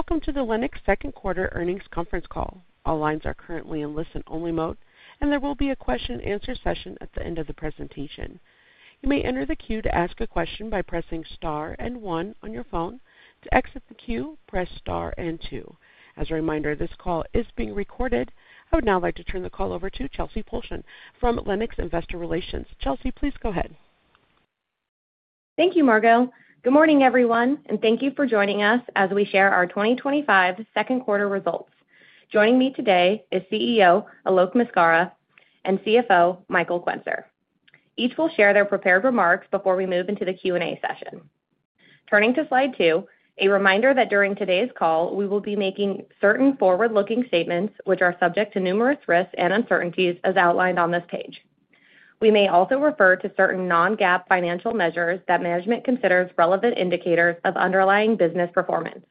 Welcome to the Lennox 2nd Quarter Earnings Conference Call. All lines are currently in listen-only mode, and there will be a question-and-answer session at the end of the presentation. You may enter the queue to ask a question by pressing star and one on your phone. To exit the queue, press star and two. As a reminder, this call is being recorded. I would now like to turn the call over to Chelsey Pulcheon from Lennox Investor Relations. Chelsey, please go ahead. Thank you, Margo. Good morning, everyone, and thank you for joining us as we share our 2025 2nd quarter results. Joining me today is CEO Alok Maskara and CFO Michael Quenzer. Each will share their prepared remarks before we move into the Q&A session. Turning to slide two, a reminder that during today's call, we will be making certain forward-looking statements which are subject to numerous risks and uncertainties as outlined on this page. We may also refer to certain non-GAAP financial measures that management considers relevant indicators of underlying business performance.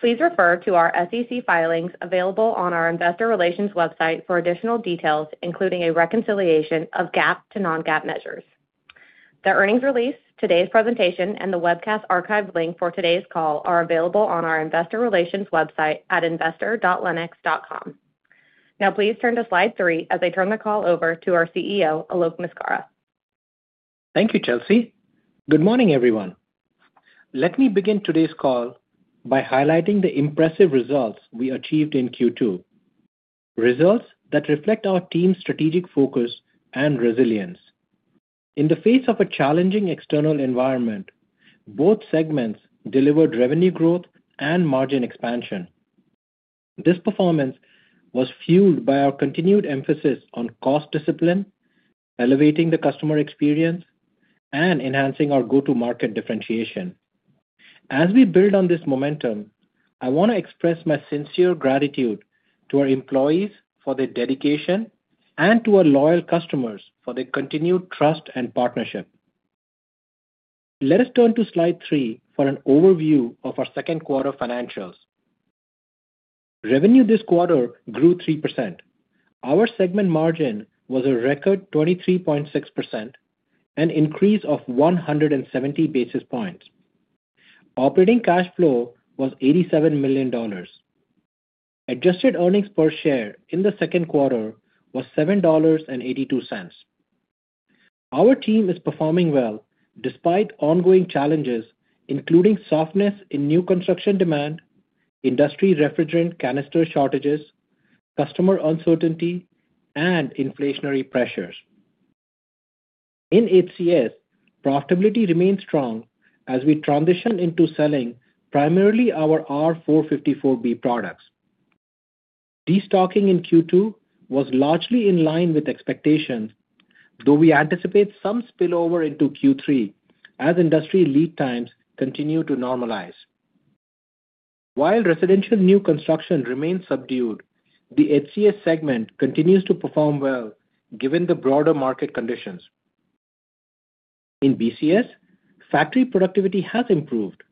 Please refer to our SEC filings available on our Investor Relations website for additional details, including a reconciliation of GAAP to non-GAAP measures. The earnings release, today's presentation, and the webcast archive link for today's call are available on our Investor Relations website at investor.lennox.com. Now, please turn to slide three as I turn the call over to our CEO, Alok Maskara. Thank you, Chelsey. Good morning, everyone. Let me begin today's call by highlighting the impressive results we achieved in Q2. Results that reflect our team's strategic focus and resilience. In the face of a challenging external environment, both segments delivered revenue growth and margin expansion. This performance was fueled by our continued emphasis on cost discipline, elevating the customer experience, and enhancing our go-to-market differentiation. As we build on this momentum, I want to express my sincere gratitude to our employees for their dedication and to our loyal customers for their continued trust and partnership. Let us turn to slide three for an overview of our 2nd quarter financials. Revenue this quarter grew 3%. Our segment margin was a record 23.6%, an increase of 170 basis points. Operating cash flow was $87 million. Adjusted earnings per share in the 2nd quarter was $7.82. Our team is performing well despite ongoing challenges, including softness in new construction demand, industry refrigerant canister shortages, customer uncertainty, and inflationary pressures. In HCS, profitability remained strong as we transitioned into selling primarily our R-454B products. Restocking in Q2 was largely in line with expectations, though we anticipate some spillover into Q3 as industry lead times continue to normalize. While residential new construction remains subdued, the HCS segment continues to perform well given the broader market conditions. In BCS, factory productivity has improved,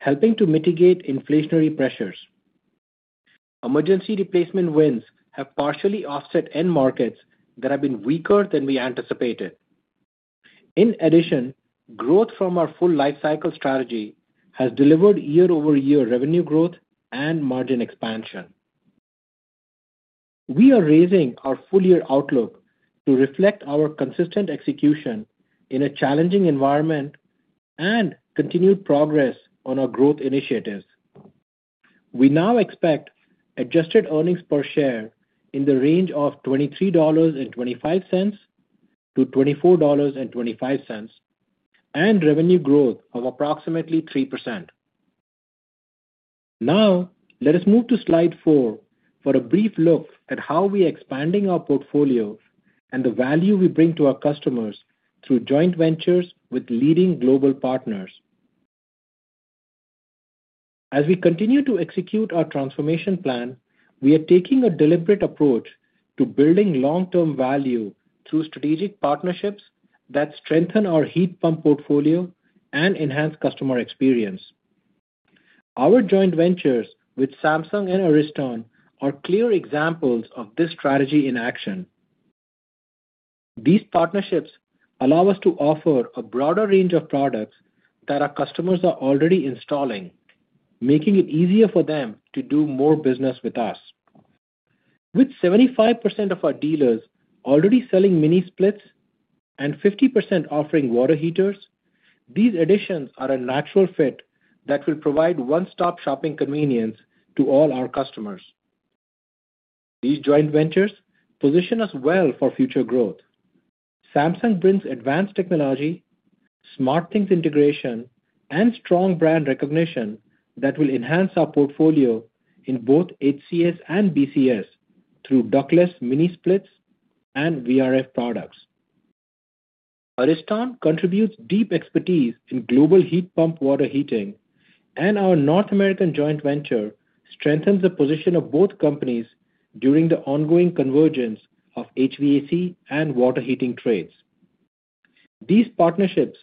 helping to mitigate inflationary pressures. Emergency replacement wins have partially offset end markets that have been weaker than we anticipated. In addition, growth from our full life cycle strategy has delivered year-over-year revenue growth and margin expansion. We are raising our full-year outlook to reflect our consistent execution in a challenging environment and continued progress on our growth initiatives. We now expect adjusted earnings per share in the range of $23.25-$24.25 and revenue growth of approximately 3%. Now, let us move to slide four for a brief look at how we are expanding our portfolio and the value we bring to our customers through joint ventures with leading global partners. As we continue to execute our transformation plan, we are taking a deliberate approach to building long-term value through strategic partnerships that strengthen our heat pump portfolio and enhance customer experience. Our joint ventures with Samsung and Ariston are clear examples of this strategy in action. These partnerships allow us to offer a broader range of products that our customers are already installing, making it easier for them to do more business with us. With 75% of our dealers already selling mini splits and 50% offering water heaters, these additions are a natural fit that will provide one-stop shopping convenience to all our customers. These joint ventures position us well for future growth. Samsung brings advanced technology, smart things integration, and strong brand recognition that will enhance our portfolio in both HCS and BCS through ductless mini splits and VRF products. Ariston contributes deep expertise in global heat pump water heating, and our North American joint venture strengthens the position of both companies during the ongoing convergence of HVAC and water heating trades. These partnerships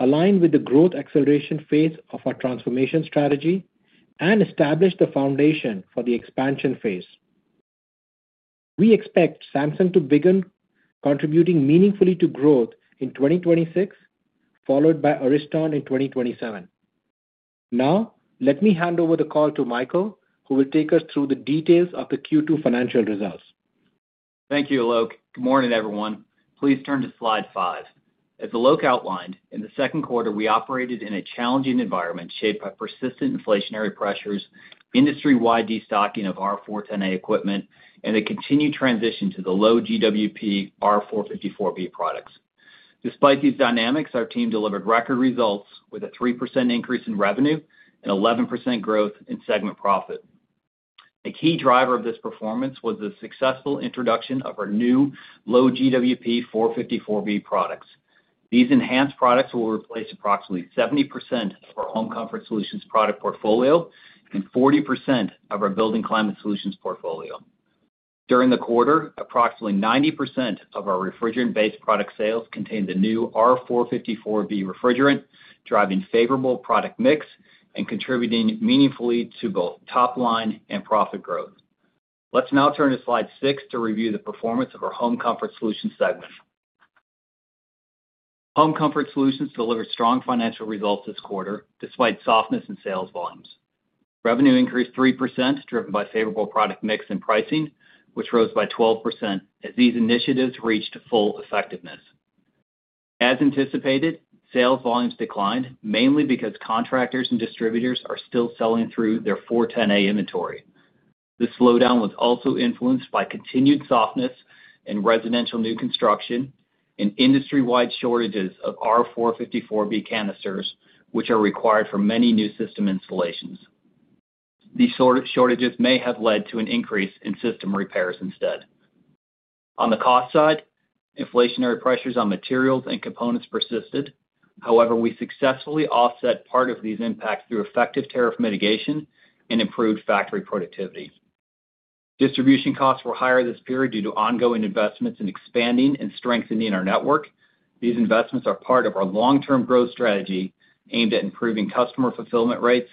align with the growth acceleration phase of our transformation strategy and establish the foundation for the expansion phase. We expect Samsung to begin contributing meaningfully to growth in 2026, followed by Ariston in 2027. Now, let me hand over the call to Michael, who will take us through the details of the Q2 financial results. Thank you, Alok. Good morning, everyone. Please turn to slide five. As Alok outlined, in the 2nd quarter, we operated in a challenging environment shaped by persistent inflationary pressures, industry-wide destocking of R410A equipment, and the continued transition to the low GWP R-454B products. Despite these dynamics, our team delivered record results with a 3% increase in revenue and 11% growth in segment profit. A key driver of this performance was the successful introduction of our new low GWP 454B products. These enhanced products will replace approximately 70% of our home comfort solutions product portfolio and 40% of our building climate solutions portfolio. During the quarter, approximately 90% of our refrigerant-based product sales contained the new R-454B refrigerant, driving favorable product mix and contributing meaningfully to both top line and profit growth. Let's now turn to slide six to review the performance of our home comfort solution segment. Home comfort solutions delivered strong financial results this quarter despite softness in sales volumes. Revenue increased 3%, driven by favorable product mix and pricing, which rose by 12% as these initiatives reached full effectiveness. As anticipated, sales volumes declined mainly because contractors and distributors are still selling through their 410A inventory. The slowdown was also influenced by continued softness in residential new construction and industry-wide shortages of R-454B canisters, which are required for many new system installations. These shortages may have led to an increase in system repairs instead. On the cost side, inflationary pressures on materials and components persisted. However, we successfully offset part of these impacts through effective tariff mitigation and improved factory productivity. Distribution costs were higher this period due to ongoing investments in expanding and strengthening our network. These investments are part of our long-term growth strategy aimed at improving customer fulfillment rates,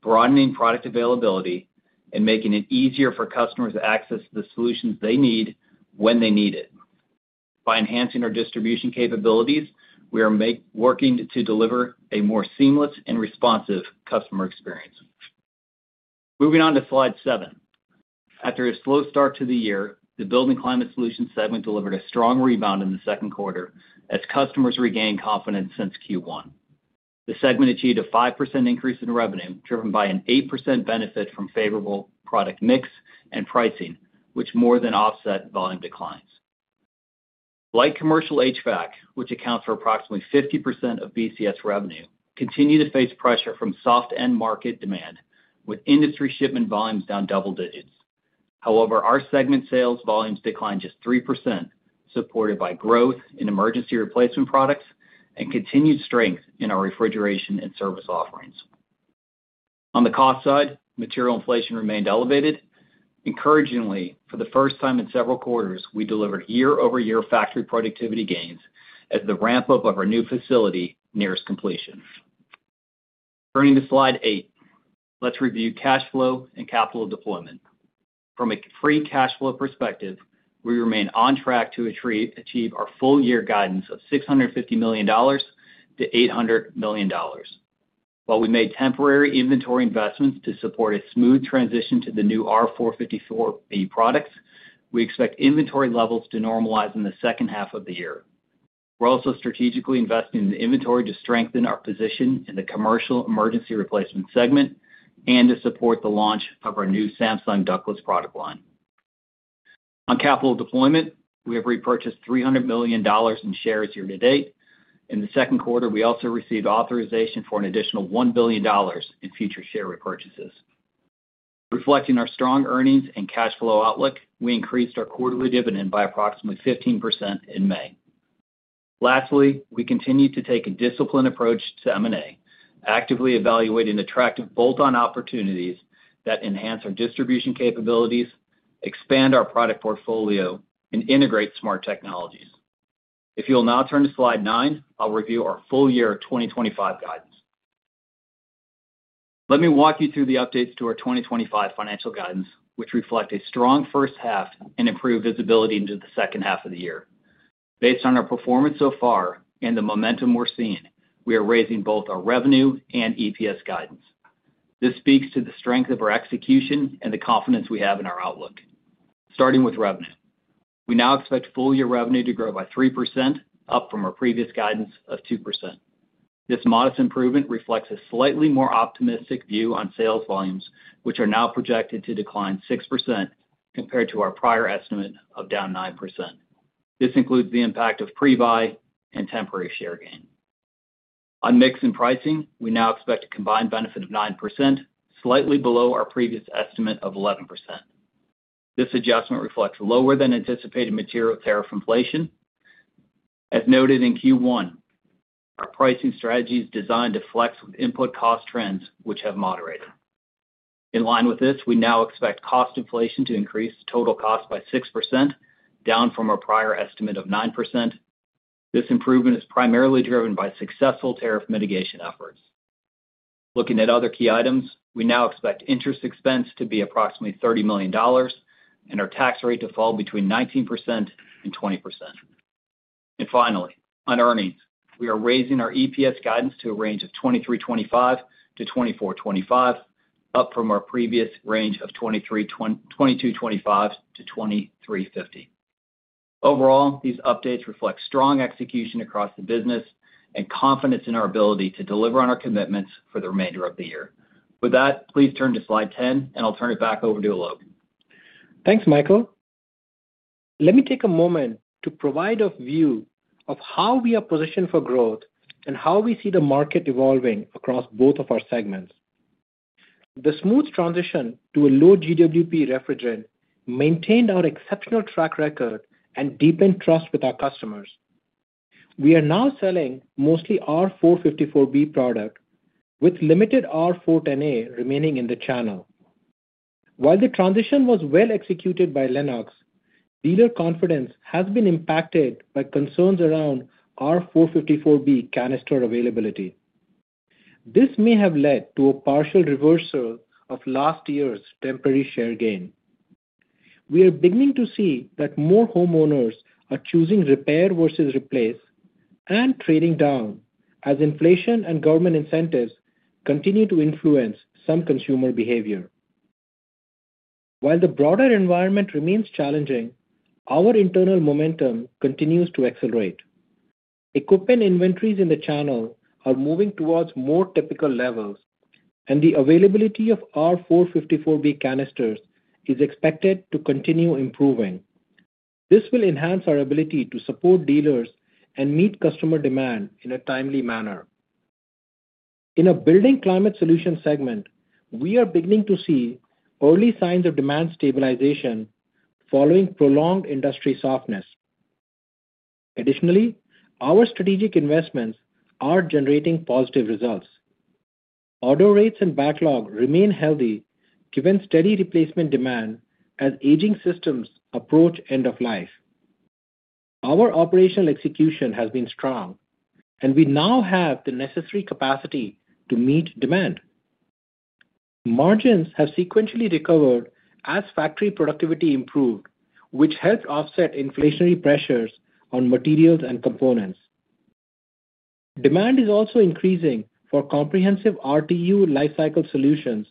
broadening product availability, and making it easier for customers to access the solutions they need when they need it. By enhancing our distribution capabilities, we are working to deliver a more seamless and responsive customer experience. Moving on to slide seven. After a slow start to the year, the building climate solution segment delivered a strong rebound in the second quarter as customers regained confidence since Q1. The segment achieved a 5% increase in revenue, driven by an 8% benefit from favorable product mix and pricing, which more than offset volume declines. Like commercial HVAC, which accounts for approximately 50% of BCS revenue, continued to face pressure from soft end market demand with industry shipment volumes down double digits. However, our segment sales volumes declined just 3%, supported by growth in emergency replacement products and continued strength in our refrigeration and service offerings. On the cost side, material inflation remained elevated. Encouragingly, for the first time in several quarters, we delivered year-over-year factory productivity gains as the ramp-up of our new facility nears completion. Turning to slide eight, let's review cash flow and capital deployment. From a free cash flow perspective, we remain on track to achieve our full-year guidance of $650 million-$800 million. While we made temporary inventory investments to support a smooth transition to the new R-454B products, we expect inventory levels to normalize in the second half of the year. We are also strategically investing in inventory to strengthen our position in the commercial emergency replacement segment and to support the launch of our new Samsung Ductless product line. On capital deployment, we have repurchased $300 million in shares year-to-date. In the 2nd quarter, we also received authorization for an additional $1 billion in future share repurchases. Reflecting our strong earnings and cash flow outlook, we increased our quarterly dividend by approximately 15% in May. Lastly, we continue to take a disciplined approach to M&A, actively evaluating attractive bolt-on opportunities that enhance our distribution capabilities, expand our product portfolio, and integrate smart technologies. If you will now turn to slide nine, I will review our full-year 2025 guidance. Let me walk you through the updates to our 2025 financial guidance, which reflect a strong first half and improved visibility into the second half of the year. Based on our performance so far and the momentum we are seeing, we are raising both our revenue and EPS guidance. This speaks to the strength of our execution and the confidence we have in our outlook. Starting with revenue, we now expect full-year revenue to grow by 3%, up from our previous guidance of 2%. This modest improvement reflects a slightly more optimistic view on sales volumes, which are now projected to decline 6% compared to our prior estimate of down 9%. This includes the impact of pre-buy and temporary share gain. On mix and pricing, we now expect a combined benefit of 9%, slightly below our previous estimate of 11%. This adjustment reflects lower-than-anticipated material tariff inflation, as noted in Q1. Our pricing strategy is designed to flex with input cost trends, which have moderated. In line with this, we now expect cost inflation to increase total cost by 6%, down from our prior estimate of 9%. This improvement is primarily driven by successful tariff mitigation efforts. Looking at other key items, we now expect interest expense to be approximately $30 million and our tax rate to fall between 19% and 20%. Finally, on earnings, we are raising our EPS guidance to a range of 23.25-24.25, up from our previous range of 22.25-23.50. Overall, these updates reflect strong execution across the business and confidence in our ability to deliver on our commitments for the remainder of the year. With that, please turn to slide 10, and I will turn it back over to Alok. Thanks, Michael. Let me take a moment to provide a view of how we are positioned for growth and how we see the market evolving across both of our segments. The smooth transition to a low GWP refrigerant maintained our exceptional track record and deepened trust with our customers. We are now selling mostly product, with limited R410A remaining in the channel. While the transition was well executed by Lennox, dealer confidence has been impacted by concerns around R-454B canister availability. This may have led to a partial reversal of last year's temporary share gain. We are beginning to see that more homeowners are choosing repair versus replace and trading down as inflation and government incentives continue to influence some consumer behavior. While the broader environment remains challenging, our internal momentum continues to accelerate. Equipment inventories in the channel are moving towards more typical levels, and the availability of R-454B canisters is expected to continue improving. This will enhance our ability to support dealers and meet customer demand in a timely manner. In our Building Climate Solutions segment, we are beginning to see early signs of demand stabilization following prolonged industry softness. Additionally, our strategic investments are generating positive results. Order rates and backlog remain healthy, given steady replacement demand as aging systems approach end of life. Our operational execution has been strong, and we now have the necessary capacity to meet demand. Margins have sequentially recovered as factory productivity improved, which helps offset inflationary pressures on materials and components. Demand is also increasing for comprehensive RTU lifecycle solutions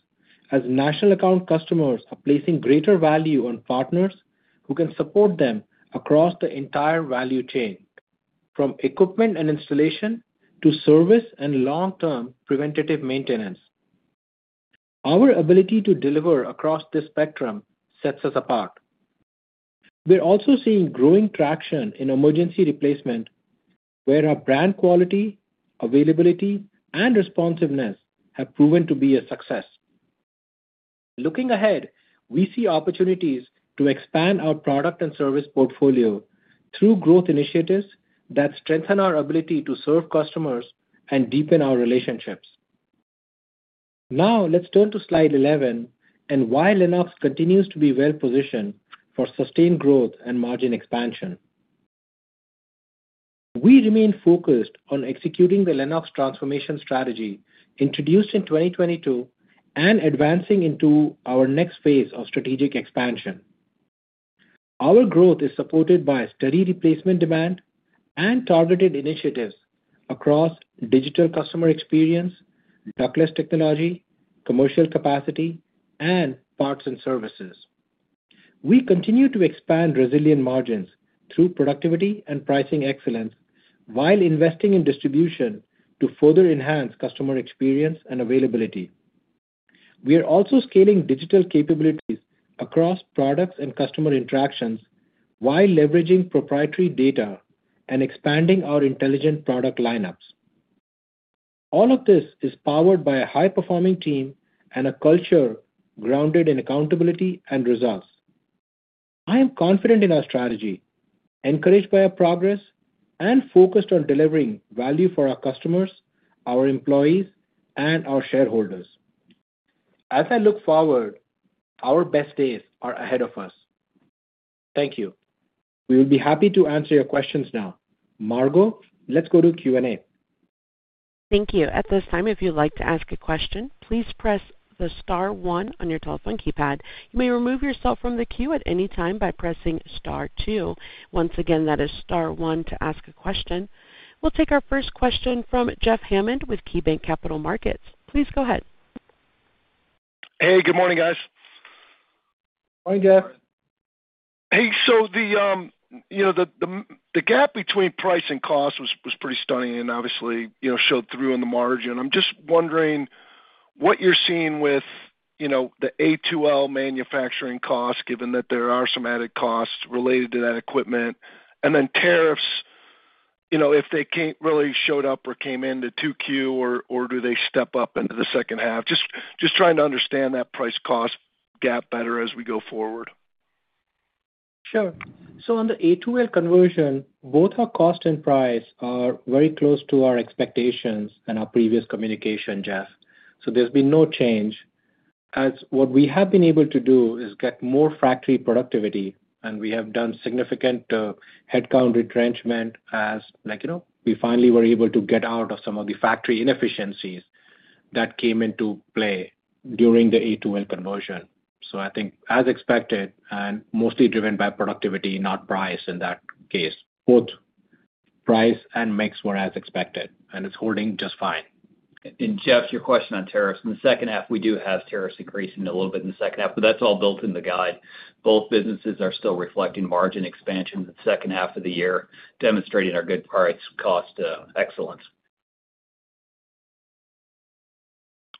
as national account customers are placing greater value on partners who can support them across the entire value chain, from equipment and installation to service and long-term preventative maintenance. Our ability to deliver across this spectrum sets us apart. We're also seeing growing traction in emergency replacement, where our brand quality, availability, and responsiveness have proven to be a success. Looking ahead, we see opportunities to expand our product and service portfolio through growth initiatives that strengthen our ability to serve customers and deepen our relationships. Now, let's turn to slide 11 and why Lennox continues to be well-positioned for sustained growth and margin expansion. We remain focused on executing the Lennox transformation strategy introduced in 2022 and advancing into our next phase of strategic expansion. Our growth is supported by steady replacement demand and targeted initiatives across digital customer experience, ductless technology, commercial capacity, and parts and services. We continue to expand resilient margins through productivity and pricing excellence while investing in distribution to further enhance customer experience and availability. We are also scaling digital capabilities across products and customer interactions while leveraging proprietary data and expanding our intelligent product lineups. All of this is powered by a high-performing team and a culture grounded in accountability and results. I am confident in our strategy, encouraged by our progress, and focused on delivering value for our customers, our employees, and our shareholders. As I look forward, our best days are ahead of us. Thank you. We will be happy to answer your questions now. Margo, let's go to Q&A. Thank you. At this time, if you'd like to ask a question, please press the star one on your telephone keypad. You may remove yourself from the queue at any time by pressing star two. Once again, that is star one to ask a question. We'll take our first question from Jeff Hammond with KeyBanc Capital Markets. Please go ahead. Hey, good morning, guys. Morning, Jeff. Hey, so the gap between price and cost was pretty stunning and obviously showed through in the margin. I'm just wondering what you're seeing with the A2L manufacturing costs, given that there are some added costs related to that equipment, and then tariffs, if they really showed up or came into 2Q, or do they step up into the second half? Just trying to understand that price-cost gap better as we go forward. Sure. On the A2L conversion, both our cost and price are very close to our expectations and our previous communication, Jeff. There has been no change. What we have been able to do is get more factory productivity, and we have done significant headcount retrenchment as we finally were able to get out of some of the factory inefficiencies that came into play during the A2L conversion. I think, as expected, and mostly driven by productivity, not price in that case. Both price and mix were as expected, and it is holding just fine. Jeff, your question on tariffs, in the second half, we do have tariffs increasing a little bit in the second half, but that's all built in the guide. Both businesses are still reflecting margin expansion in the second half of the year, demonstrating our good price-cost excellence.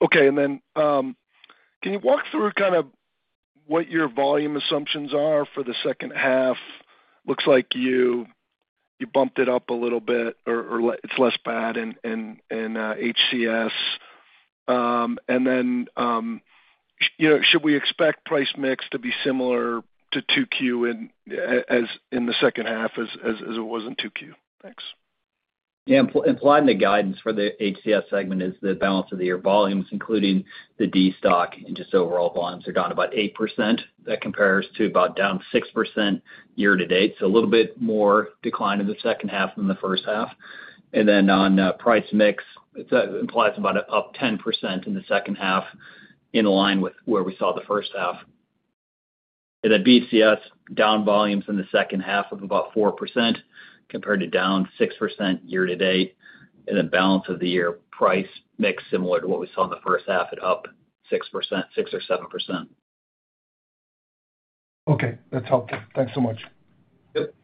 Okay. And then, can you walk through kind of what your volume assumptions are for the second half? Looks like you bumped it up a little bit, or it's less bad in HCS. And then, should we expect price mix to be similar to 2Q in the second half as it was in 2Q? Thanks. Yeah. Implying the guidance for the HCS segment is the balance of the year volumes, including the destock, and just overall volumes are down about 8%. That compares to about down 6% year-to-date. A little bit more decline in the second half than the first half. On price mix, it implies about up 10% in the second half in line with where we saw the first half. BCS, down volumes in the second half of about 4% compared to down 6% year-to-date. Balance of the year, price mix similar to what we saw in the first half at up 6%, 6 or 7%. Okay. That's helpful. Thanks so much. Yep.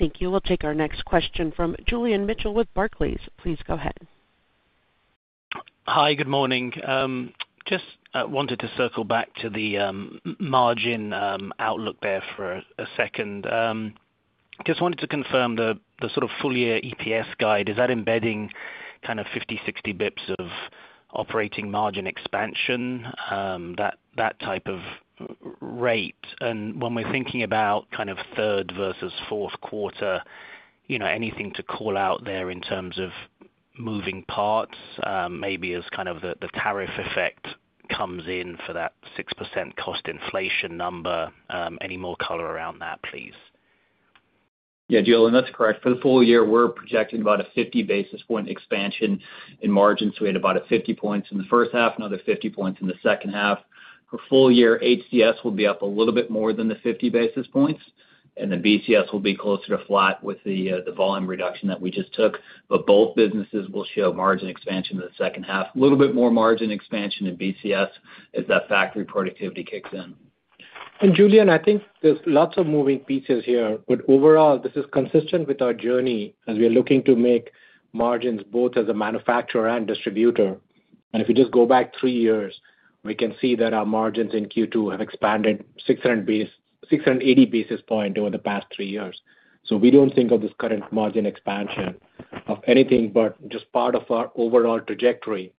Thank you. We'll take our next question from Julian Mitchell with Barclays. Please go ahead. Hi, good morning. Just wanted to circle back to the margin outlook there for a second. Just wanted to confirm the sort of full-year EPS guide. Is that embedding kind of 50-60 basis points of operating margin expansion, that type of rate? When we're thinking about kind of third versus 4th quarter, anything to call out there in terms of moving parts, maybe as kind of the tariff effect comes in for that 6% cost inflation number? Any more color around that, please? Yeah, Julian, that's correct. For the full year, we're projecting about a 50 basis point expansion in margin. We had about 50 basis points in the first half, another 50 basis points in the second half. For the full year, HCS will be up a little bit more than the 50 basis points, and BCS will be closer to flat with the volume reduction that we just took. Both businesses will show margin expansion in the second half. A little bit more margin expansion in BCS as that factory productivity kicks in. Julian, I think there's lots of moving pieces here, but overall, this is consistent with our journey as we are looking to make margins both as a manufacturer and distributor. If we just go back three years, we can see that our margins in Q2 have expanded 680 basis points over the past three years. We do not think of this current margin expansion as anything but just part of our overall trajectory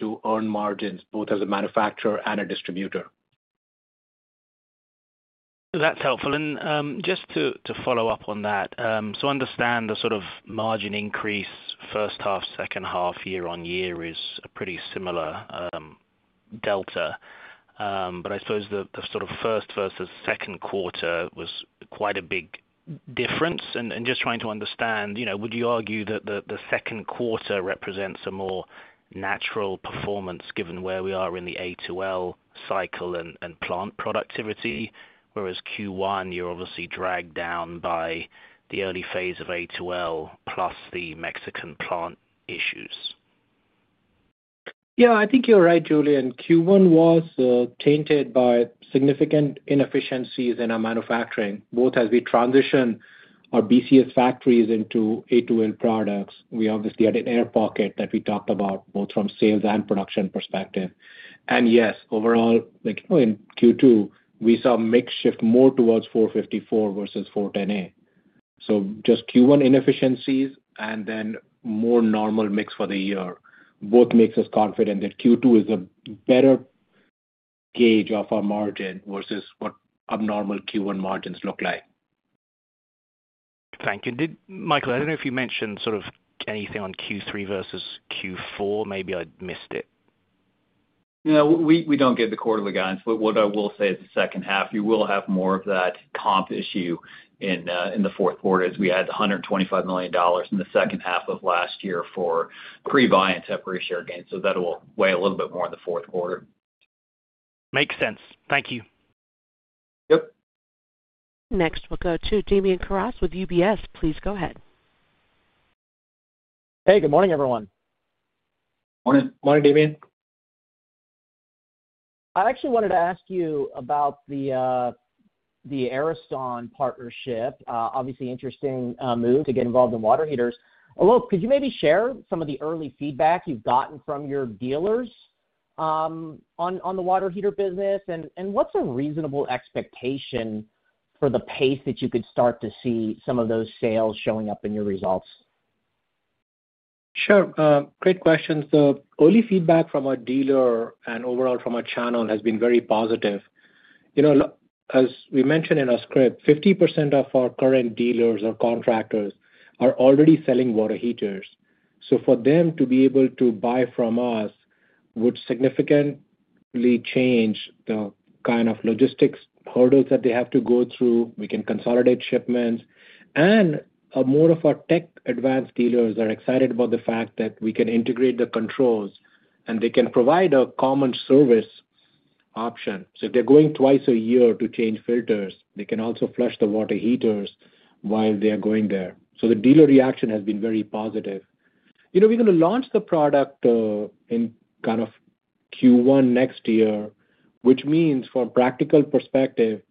to earn margins both as a manufacturer and a distributor. That's helpful. Just to follow up on that, I understand the sort of margin increase first half, second half, year-on-year is a pretty similar delta. I suppose the sort of first versus 2nd quarter was quite a big difference. Just trying to understand, would you argue that the 2nd quarter represents a more natural performance given where we are in the A2L cycle and plant productivity, whereas Q1, you're obviously dragged down by the early phase of A2L plus the Mexican plant issues? Yeah, I think you're right, Julian. Q1 was tainted by significant inefficiencies in our manufacturing, both as we transition our BCS factories into A2L products. We obviously had an air pocket that we talked about both from sales and production perspective. Yes, overall, in Q2, we saw a mix shift more towards 454 versus 410A. Just Q1 inefficiencies and then more normal mix for the year. Both makes us confident that Q2 is a better gauge of our margin versus what abnormal Q1 margins look like. Thank you. Michael, I do not know if you mentioned sort of anything on Q3 versus Q4. Maybe I missed it. Yeah, we do not get the quarterly guidance, but what I will say is the second half, you will have more of that comp issue in the 4th quarter as we add $125 million in the second half of last year for pre-buy and temporary share gains. That will weigh a little bit more in the fourth quarter. Makes sense. Thank you. Yep. Next, we'll go to Damian Karas with UBS. Please go ahead. Hey, good morning, everyone. Morning. Morning, Damian. I actually wanted to ask you about the Ariston partnership. Obviously, interesting move to get involved in water heaters. Alok, could you maybe share some of the early feedback you've gotten from your dealers on the water heater business? What's a reasonable expectation for the pace that you could start to see some of those sales showing up in your results? Sure. Great question. Early feedback from our dealer and overall from our channel has been very positive. As we mentioned in our script, 50% of our current dealers or contractors are already selling water heaters. For them to be able to buy from us would significantly change the kind of logistics hurdles that they have to go through. We can consolidate shipments. More of our tech advanced dealers are excited about the fact that we can integrate the controls, and they can provide a common service option. If they are going twice a year to change filters, they can also flush the water heaters while they are going there. The dealer reaction has been very positive. We are going to launch the product in Q1 next year, which means from a practical perspective,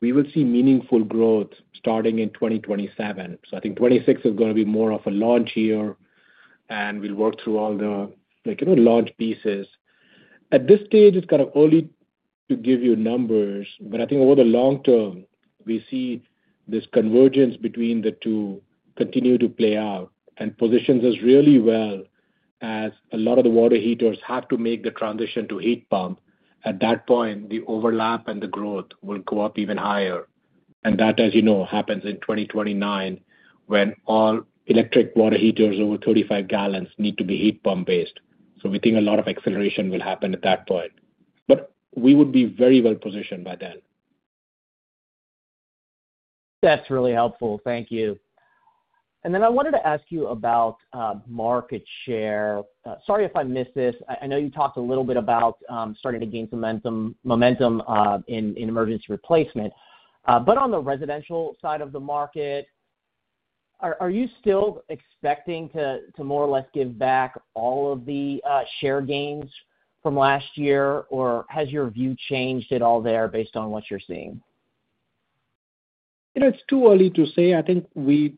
we will see meaningful growth starting in 2027. I think 2026 is going to be more of a launch year, and we will work through all the launch pieces. At this stage, it is kind of early to give you numbers, but I think over the long term, we see this convergence between the two continue to play out and positions us really well as a lot of the water heaters have to make the transition to heat pump. At that point, the overlap and the growth will go up even higher. That, as you know, happens in 2029 when all electric water heaters over 35 gal need to be heat pump-based. We think a lot of acceleration will happen at that point. We would be very well positioned by then. That's really helpful. Thank you. I wanted to ask you about market share. Sorry if I missed this. I know you talked a little bit about starting to gain momentum in emergency replacement. On the residential side of the market, are you still expecting to more or less give back all of the share gains from last year, or has your view changed at all there based on what you're seeing? It's too early to say. I think we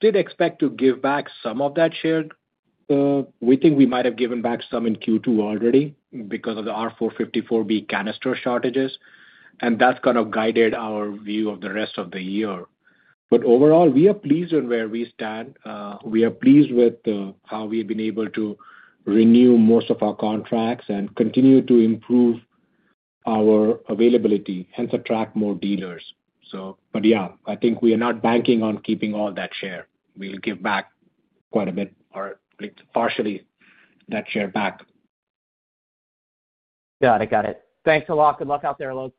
did expect to give back some of that share. We think we might have given back some in Q2 already because of the R-454B canister shortages. That has kind of guided our view of the rest of the year. Overall, we are pleased with where we stand. We are pleased with how we have been able to renew most of our contracts and continue to improve our availability, hence attract more dealers. Yeah, I think we are not banking on keeping all that share. We'll give back quite a bit or partially that share back. Got it. Got it. Thanks a lot. Good luck out there, Alok.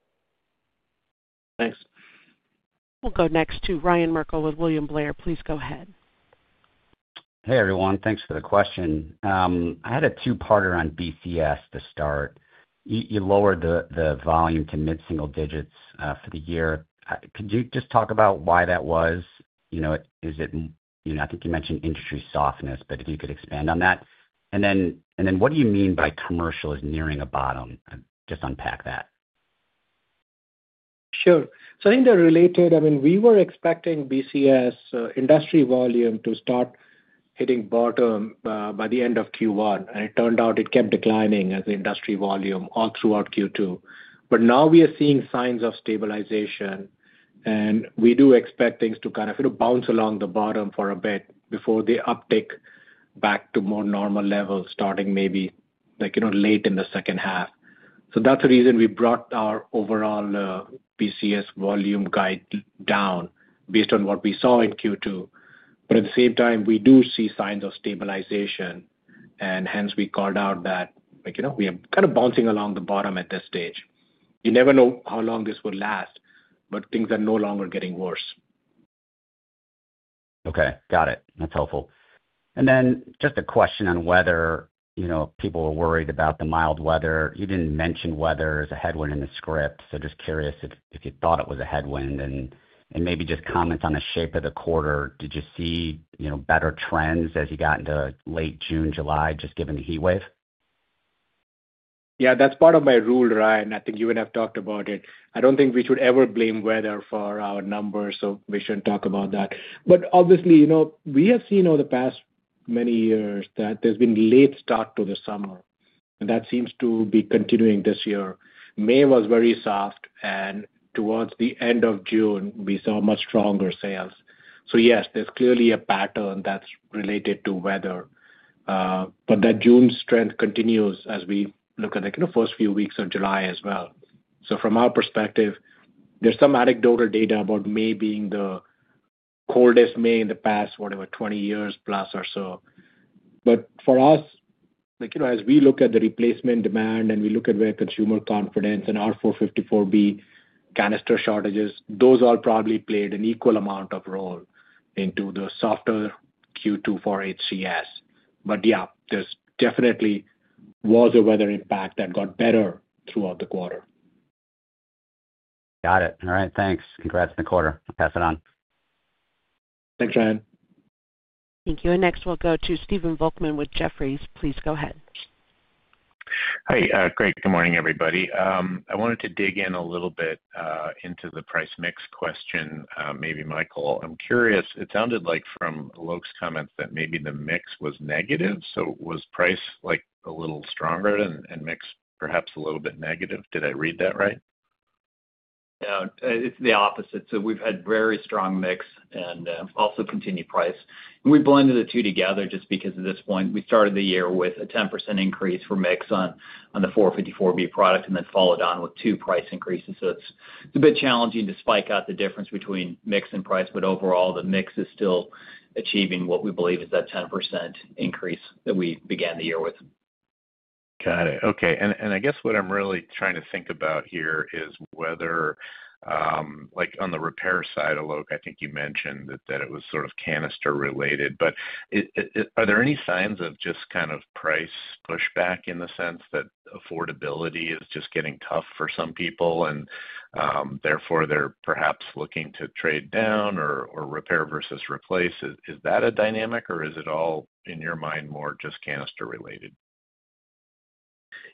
Thanks. We'll go next to Ryan Merkel with William Blair. Please go ahead. Hey, everyone. Thanks for the question. I had a two-parter on BCS to start. You lowered the volume to mid-single digits for the year. Could you just talk about why that was? Is it I think you mentioned industry softness, but if you could expand on that. What do you mean by commercial is nearing a bottom? Just unpack that. Sure. I think they're related. I mean, we were expecting BCS industry volume to start hitting bottom by the end of Q1. It turned out it kept declining as the industry volume all throughout Q2. Now we are seeing signs of stabilization. We do expect things to kind of bounce along the bottom for a bit before the uptick back to more normal levels starting maybe late in the second half. That's the reason we brought our overall BCS volume guide down based on what we saw in Q2. At the same time, we do see signs of stabilization. Hence, we called out that we are kind of bouncing along the bottom at this stage. You never know how long this will last, but things are no longer getting worse. Okay. Got it. That's helpful. And then just a question on weather. People were worried about the mild weather. You did not mention weather as a headwind in the script. Just curious if you thought it was a headwind. Maybe just comment on the shape of the quarter. Did you see better trends as you got into late June, July, just given the heat wave? Yeah, that's part of my rule, Ryan. I think you would have talked about it. I don't think we should ever blame weather for our numbers, so we shouldn't talk about that. Obviously, we have seen over the past many years that there's been late start to the summer. That seems to be continuing this year. May was very soft. Towards the end of June, we saw much stronger sales. Yes, there's clearly a pattern that's related to weather. That June strength continues as we look at the first few weeks of July as well. From our perspective, there's some anecdotal data about May being the coldest May in the past, whatever, 20 years plus or so. For us, as we look at the replacement demand and we look at where consumer confidence and R-454B canister shortages, those all probably played an equal amount of role into the softer Q2 for HCS. Yeah, there definitely was a weather impact that got better throughout the quarter. Got it. All right. Thanks. Congrats on the quarter. I'll pass it on. Thanks, Ryan. Thank you. Next, we'll go to Stephen Volkmann with Jefferies. Please go ahead. Hey, great. Good morning, everybody. I wanted to dig in a little bit into the price mix question, maybe Michael. I'm curious. It sounded like from Alok's comments that maybe the mix was negative. So was price a little stronger and mix perhaps a little bit negative? Did I read that right? Yeah. It's the opposite. We've had very strong mix and also continued price. We blended the two together just because at this point, we started the year with a 10% increase for mix on the R-454B product and then followed on with two price increases. It's a bit challenging to spike out the difference between mix and price, but overall, the mix is still achieving what we believe is that 10% increase that we began the year with. Got it. Okay. I guess what I'm really trying to think about here is whether, on the repair side, Alok, I think you mentioned that it was sort of canister related. Are there any signs of just kind of price pushback in the sense that affordability is just getting tough for some people and therefore they're perhaps looking to trade down or repair versus replace? Is that a dynamic, or is it all, in your mind, more just canister related?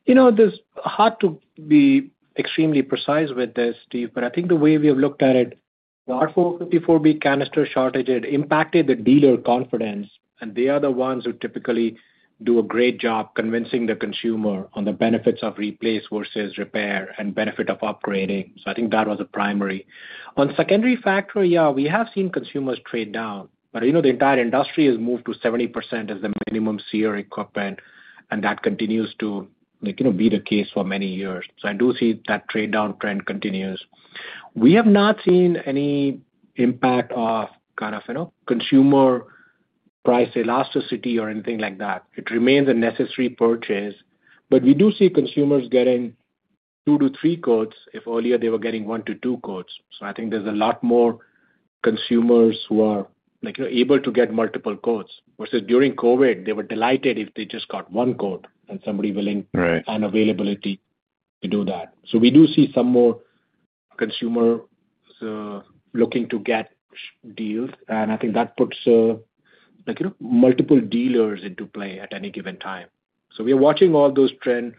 It's hard to be extremely precise with this, Steph, but I think the way we have looked at it, the R-454B canister shortage had impacted the dealer confidence. They are the ones who typically do a great job convincing the consumer on the benefits of replace versus repair and benefit of upgrading. I think that was a primary. On secondary factor, yeah, we have seen consumers trade down. The entire industry has moved to 17% as the minimum SEER equipment. That continues to be the case for many years. I do see that trade-down trend continues. We have not seen any impact of kind of consumer price elasticity or anything like that. It remains a necessary purchase. We do see consumers getting two to three quotes if earlier they were getting one to two quotes. I think there's a lot more consumers who are able to get multiple quotes versus during COVID, they were delighted if they just got one quote and somebody willing and availability to do that. We do see some more consumers looking to get deals. I think that puts multiple dealers into play at any given time. We are watching all those trends,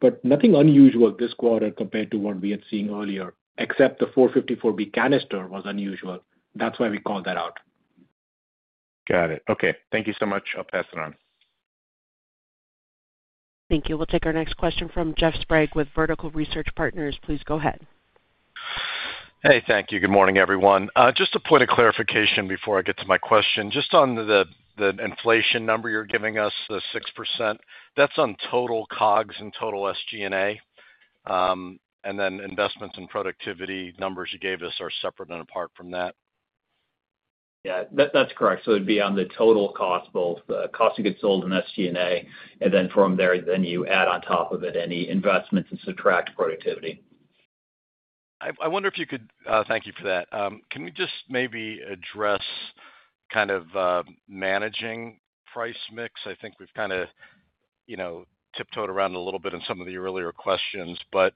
but nothing unusual this quarter compared to what we had seen earlier, except the 454B canister was unusual. That's why we called that out. Got it. Okay. Thank you so much. I'll pass it on. Thank you. We'll take our next question from Jeff Sprague with Vertical Research Partners. Please go ahead. Hey, thank you. Good morning, everyone. Just a point of clarification before I get to my question. Just on the inflation number you're giving us, the 6%, that's on total COGS and total SG&A. And then investments and productivity numbers you gave us are separate and apart from that? Yeah. That's correct. It'd be on the total cost, both the cost to get sold and SG&A. From there, you add on top of it any investments and subtract productivity. I wonder if you could thank you for that. Can we just maybe address kind of managing price mix? I think we've kind of tiptoed around a little bit in some of the earlier questions, but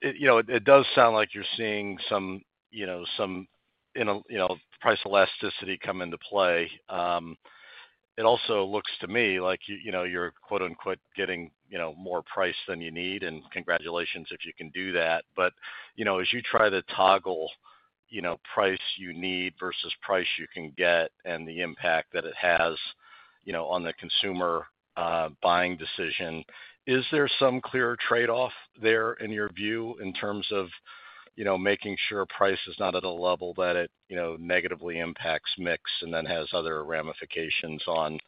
it does sound like you're seeing some price elasticity come into play. It also looks to me like you're "getting more price than you need." And congratulations if you can do that. As you try to toggle price you need versus price you can get and the impact that it has on the consumer buying decision, is there some clear trade-off there in your view in terms of making sure price is not at a level that it negatively impacts mix and then has other ramifications on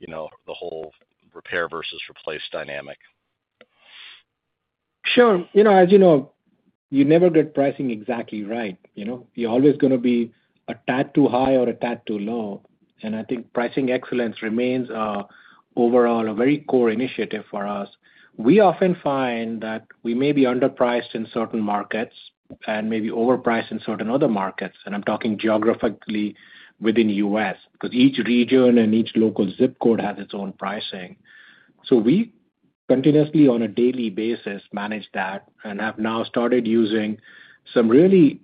the whole repair versus replace dynamic? Sure. As you know, you never get pricing exactly right. You're always going to be a tad too high or a tad too low. I think pricing excellence remains overall a very core initiative for us. We often find that we may be underpriced in certain markets and maybe overpriced in certain other markets. I'm talking geographically within the U.S. because each region and each local zip code has its own pricing. We continuously, on a daily basis, manage that and have now started using some really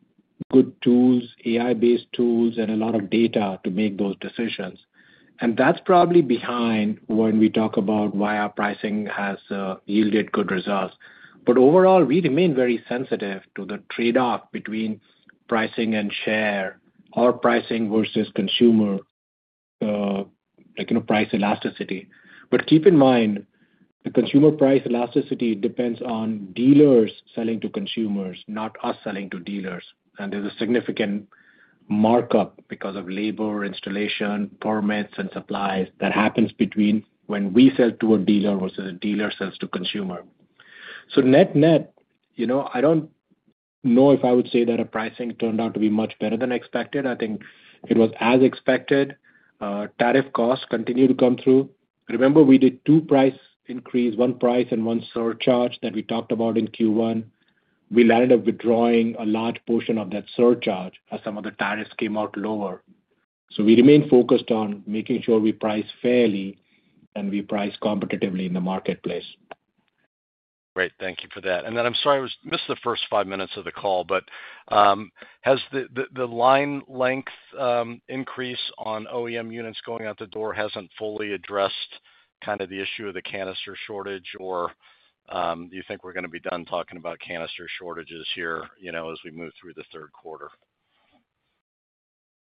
good tools, AI-based tools, and a lot of data to make those decisions. That's probably behind when we talk about why our pricing has yielded good results. Overall, we remain very sensitive to the trade-off between pricing and share or pricing versus consumer price elasticity. Keep in mind, the consumer price elasticity depends on dealers selling to consumers, not us selling to dealers. There's a significant markup because of labor, installation, permits, and supplies that happens between when we sell to a dealer versus a dealer sells to consumer. Net net, I don't know if I would say that our pricing turned out to be much better than expected. I think it was as expected. Tariff costs continue to come through. Remember, we did two price increases, one price and one surcharge that we talked about in Q1. We landed withdrawing a large portion of that surcharge as some of the tariffs came out lower. We remain focused on making sure we price fairly and we price competitively in the marketplace. Great. Thank you for that. I'm sorry I missed the first five minutes of the call, but has the line length increase on OEM units going out the door not fully addressed kind of the issue of the canister shortage, or do you think we're going to be done talking about canister shortages here as we move through the 3rd quarter?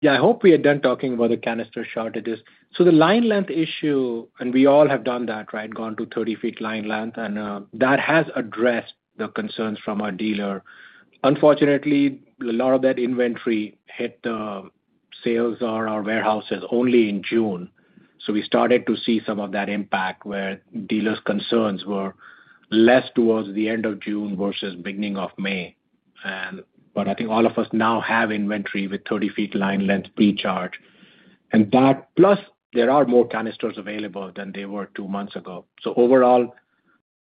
Yeah, I hope we are done talking about the canister shortages. The line length issue, and we all have done that, right, gone to 30 ft line length. That has addressed the concerns from our dealer. Unfortunately, a lot of that inventory hit the sales or our warehouses only in June. We started to see some of that impact where dealers' concerns were less towards the end of June versus beginning of May. I think all of us now have inventory with 30 ft line length pre-charge. That, plus there are more canisters available than there were two months ago. Overall,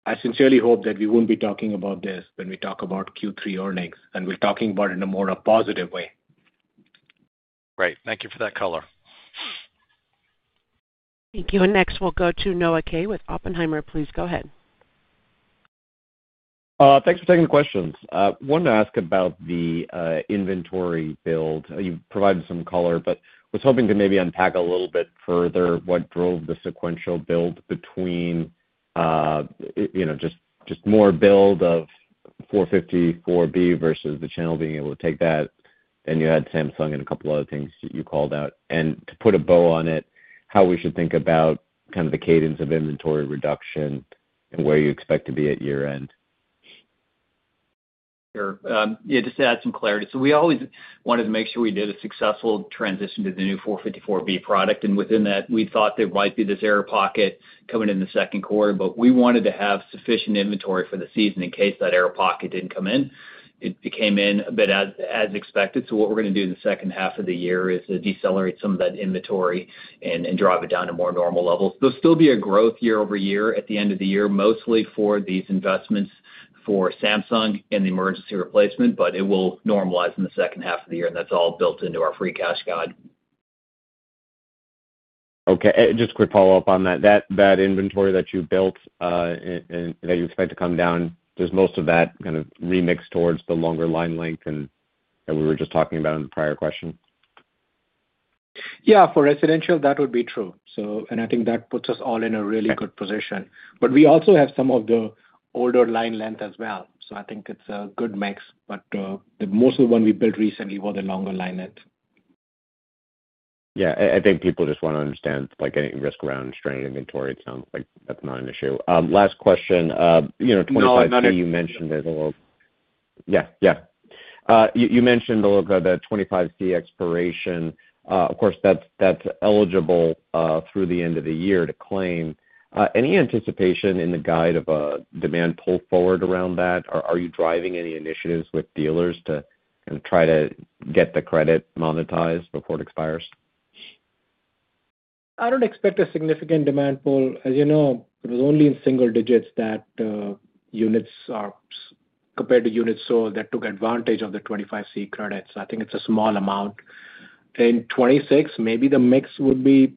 I sincerely hope that we won't be talking about this when we talk about Q3 earnings. We're talking about it in a more positive way. Great. Thank you for that color. Thank you. Next, we'll go to Noah Kaye with Oppenheimer. Please go ahead. Thanks for taking the questions. I wanted to ask about the inventory build. You provided some color, but I was hoping to maybe unpack a little bit further what drove the sequential build between just more build of 454B versus the channel being able to take that. You had Samsung and a couple of other things you called out. To put a bow on it, how we should think about kind of the cadence of inventory reduction and where you expect to be at year-end. Sure. Yeah, just to add some clarity. We always wanted to make sure we did a successful transition to the new 454B product. Within that, we thought there might be this air pocket coming in the 2nd quarter, but we wanted to have sufficient inventory for the season in case that air pocket did not come in. It came in a bit as expected. What we are going to do in the second half of the year is to decelerate some of that inventory and drive it down to more normal levels. There will still be a growth year over year at the end of the year, mostly for these investments for Samsung and the emergency replacement, but it will normalize in the second half of the year. That is all built into our free cash flow. Okay. Just a quick follow-up on that. That inventory that you built, that you expect to come down, does most of that kind of remix towards the longer line length that we were just talking about in the prior question? Yeah. For residential, that would be true. I think that puts us all in a really good position. We also have some of the older line length as well. I think it's a good mix. Most of the ones we built recently were the longer line length. Yeah. I think people just want to understand any risk around strained inventory. It sounds like that's not an issue. Last question. 25C, you mentioned there's a little—yeah, yeah. You mentioned a little bit about the 25C expiration. Of course, that's eligible through the end of the year to claim. Any anticipation in the guide of a demand pull forward around that? Are you driving any initiatives with dealers to kind of try to get the credit monetized before it expires? I don't expect a significant demand pull. As you know, it was only in single-digits that units are compared to units sold that took advantage of the 25C credits. I think it's a small amount. In 2026, maybe the mix would be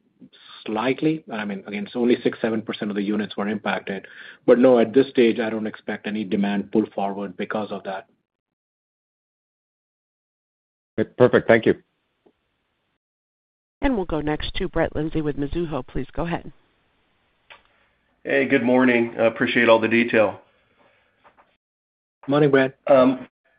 slightly—I mean, again, it's only 6-7% of the units were impacted. No, at this stage, I don't expect any demand pull forward because of that. Perfect. Thank you. We will go next to Brett Linzey with Mizuho. Please go ahead. Hey, good morning. Appreciate all the detail. Morning, Brett.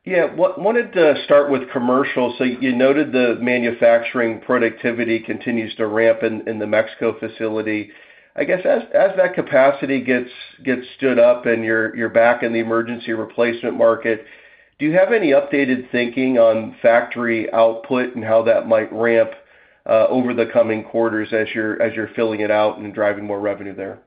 Yeah. Wanted to start with commercial. You noted the manufacturing productivity continues to ramp in the Mexico facility. I guess as that capacity gets stood up and you're back in the emergency replacement market, do you have any updated thinking on factory output and how that might ramp over the coming quarters as you're filling it out and driving more revenue there?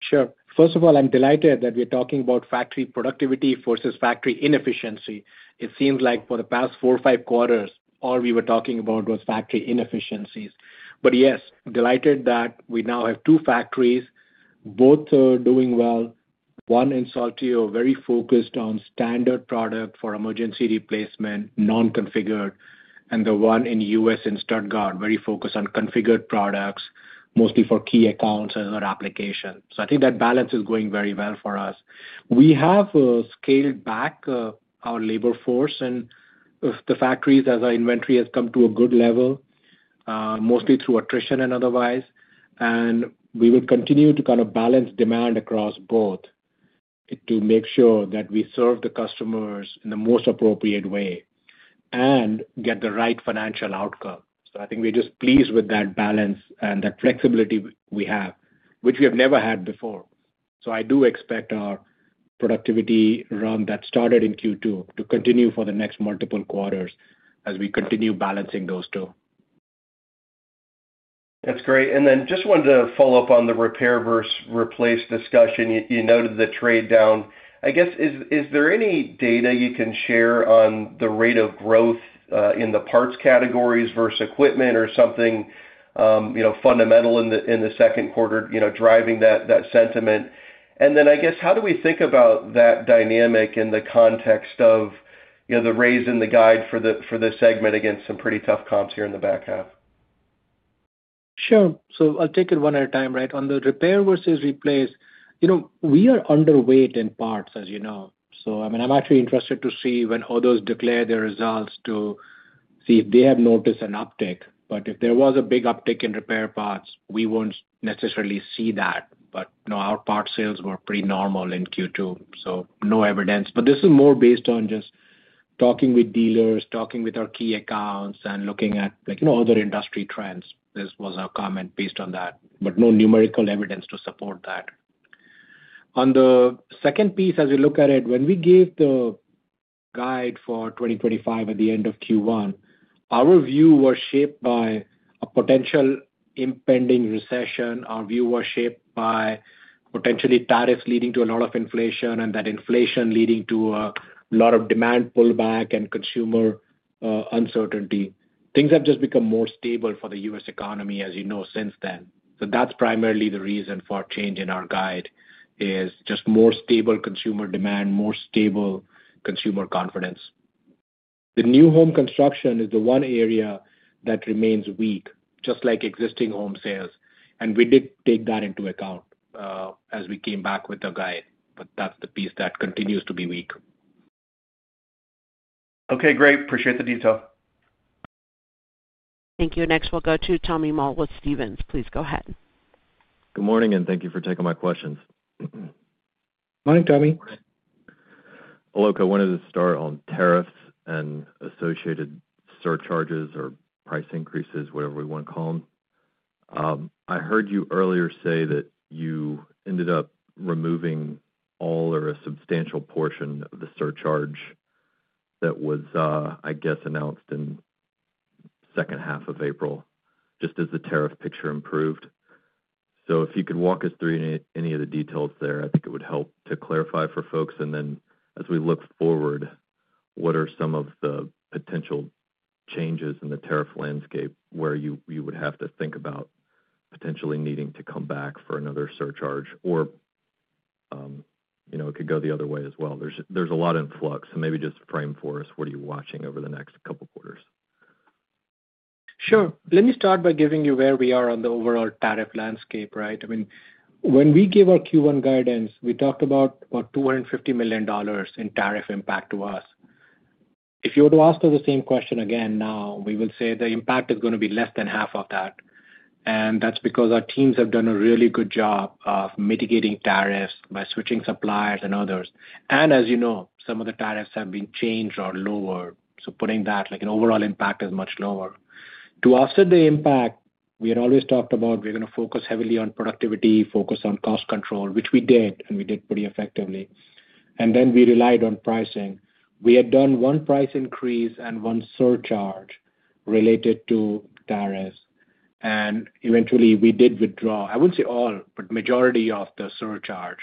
Sure. First of all, I'm delighted that we're talking about factory productivity versus factory inefficiency. It seems like for the past four or five quarters, all we were talking about was factory inefficiencies. Yes, delighted that we now have two factories, both doing well. One in Saltillo, very focused on standard product for emergency replacement, non-configured. The one in the U.S. in Stuttgart, very focused on configured products, mostly for key accounts and other applications. I think that balance is going very well for us. We have scaled back our labor force in the factories as our inventory has come to a good level, mostly through attrition and otherwise. We will continue to kind of balance demand across both to make sure that we serve the customers in the most appropriate way and get the right financial outcome. I think we're just pleased with that balance and that flexibility we have, which we have never had before. I do expect our productivity run that started in Q2 to continue for the next multiple quarters as we continue balancing those two. That's great. I just wanted to follow up on the repair versus replace discussion. You noted the trade down. I guess, is there any data you can share on the rate of growth in the parts categories versus equipment or something fundamental in the 2nd quarter driving that sentiment? I guess, how do we think about that dynamic in the context of the raise in the guide for this segment against some pretty tough comps here in the back half? Sure. I'll take it one at a time, right? On the repair versus replace, we are underweight in parts, as you know. I mean, I'm actually interested to see when others declare their results to see if they have noticed an uptick. If there was a big uptick in repair parts, we won't necessarily see that. Our part sales were pretty normal in Q2, so no evidence. This is more based on just talking with dealers, talking with our key accounts, and looking at other industry trends. This was our comment based on that, but no numerical evidence to support that. On the second piece, as we look at it, when we gave the guide for 2025 at the end of Q1, our view was shaped by a potential impending recession. Our view was shaped by potentially tariffs leading to a lot of inflation and that inflation leading to a lot of demand pullback and consumer uncertainty. Things have just become more stable for the U.S. economy, as you know, since then. That's primarily the reason for change in our guide is just more stable consumer demand, more stable consumer confidence. The new home construction is the one area that remains weak, just like existing home sales. We did take that into account as we came back with the guide. That's the piece that continues to be weak. Okay. Great. Appreciate the detail. Thank you. Next, we'll go to Tommy Moll with Stephens. Please go ahead. Good morning, and thank you for taking my questions. Morning, Tommy. Hello, Coe. I wanted to start on tariffs and associated surcharges or price increases, whatever we want to call them. I heard you earlier say that you ended up removing all or a substantial portion of the surcharge that was, I guess, announced in the second half of April, just as the tariff picture improved. If you could walk us through any of the details there, I think it would help to clarify for folks. As we look forward, what are some of the potential changes in the tariff landscape where you would have to think about potentially needing to come back for another surcharge? It could go the other way as well. There is a lot in flux. Maybe just frame for us, what are you watching over the next couple of quarters? Sure. Let me start by giving you where we are on the overall tariff landscape, right? I mean, when we gave our Q1 guidance, we talked about about $250 million in tariff impact to us. If you were to ask us the same question again now, we will say the impact is going to be less than half of that. That is because our teams have done a really good job of mitigating tariffs by switching suppliers and others. As you know, some of the tariffs have been changed or lowered. Putting that, an overall impact is much lower. To offset the impact, we had always talked about we're going to focus heavily on productivity, focus on cost control, which we did, and we did pretty effectively. Then we relied on pricing. We had done one price increase and one surcharge related to tariffs. Eventually, we did withdraw, I would not say all, but the majority of the surcharge,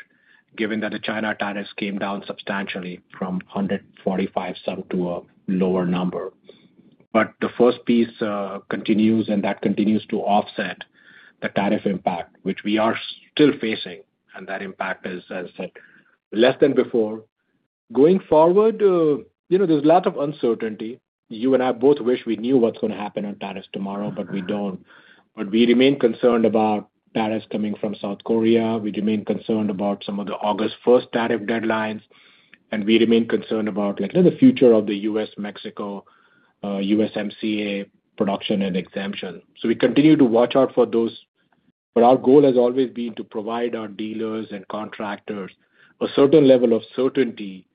given that the China tariffs came down substantially from 145-some to a lower number. The first piece continues, and that continues to offset the tariff impact, which we are still facing. That impact is, as I said, less than before. Going forward. There is a lot of uncertainty. You and I both wish we knew what is going to happen on tariffs tomorrow, but we do not. We remain concerned about tariffs coming from South Korea. We remain concerned about some of the August 1st tariff deadlines. We remain concerned about the future of the US, Mexico, USMCA production and exemption. We continue to watch out for those. Our goal has always been to provide our dealers and contractors a certain level of certainty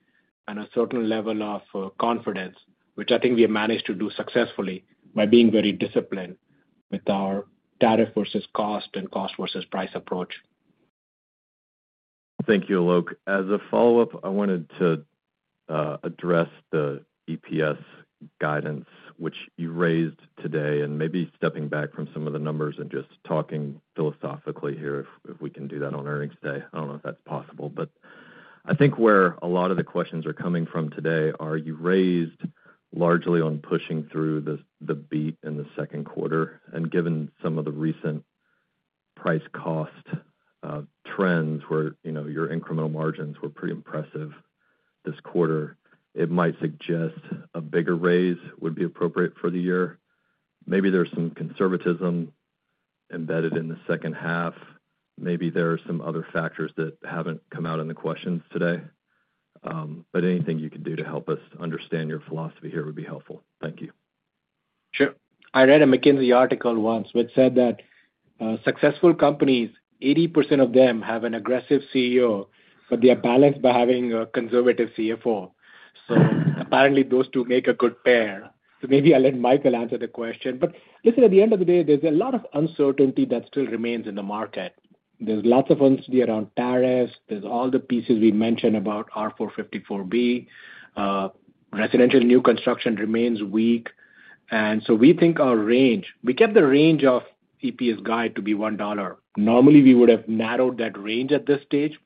and a certain level of confidence, which I think we have managed to do successfully by being very disciplined with our tariff versus cost and cost versus price approach. Thank you, Alok. As a follow-up, I wanted to address the EPS guidance, which you raised today, and maybe stepping back from some of the numbers and just talking philosophically here if we can do that on earnings today. I do not know if that is possible. I think where a lot of the questions are coming from today are you raised largely on pushing through the beat in the 2nd quarter. Given some of the recent price-cost trends where your incremental margins were pretty impressive this quarter, it might suggest a bigger raise would be appropriate for the year. Maybe there is some conservatism embedded in the second half. Maybe there are some other factors that have not come out in the questions today. Anything you can do to help us understand your philosophy here would be helpful. Thank you. Sure. I read a McKinsey article once which said that successful companies, 80% of them have an aggressive CEO, but they are balanced by having a conservative CFO. Apparently, those two make a good pair. Maybe I'll let Michael answer the question. Listen, at the end of the day, there is a lot of uncertainty that still remains in the market. There is lots of uncertainty around tariffs. There are all the pieces we mentioned about R-454B. Residential new construction remains weak. We think our range—we kept the range of EPS guide to be $1. Normally, we would have narrowed that range at this stage.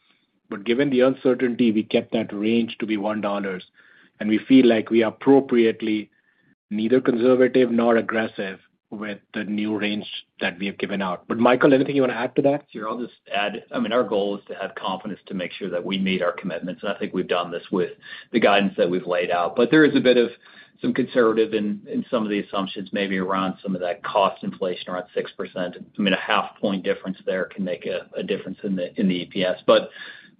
Given the uncertainty, we kept that range to be $1. We feel like we are appropriately neither conservative nor aggressive with the new range that we have given out. Michael, anything you want to add to that? Sure. I'll just add, I mean, our goal is to have confidence to make sure that we made our commitments. I think we've done this with the guidance that we've laid out. There is a bit of some conservative in some of the assumptions maybe around some of that cost inflation around 6%. I mean, a half-point difference there can make a difference in the EPS.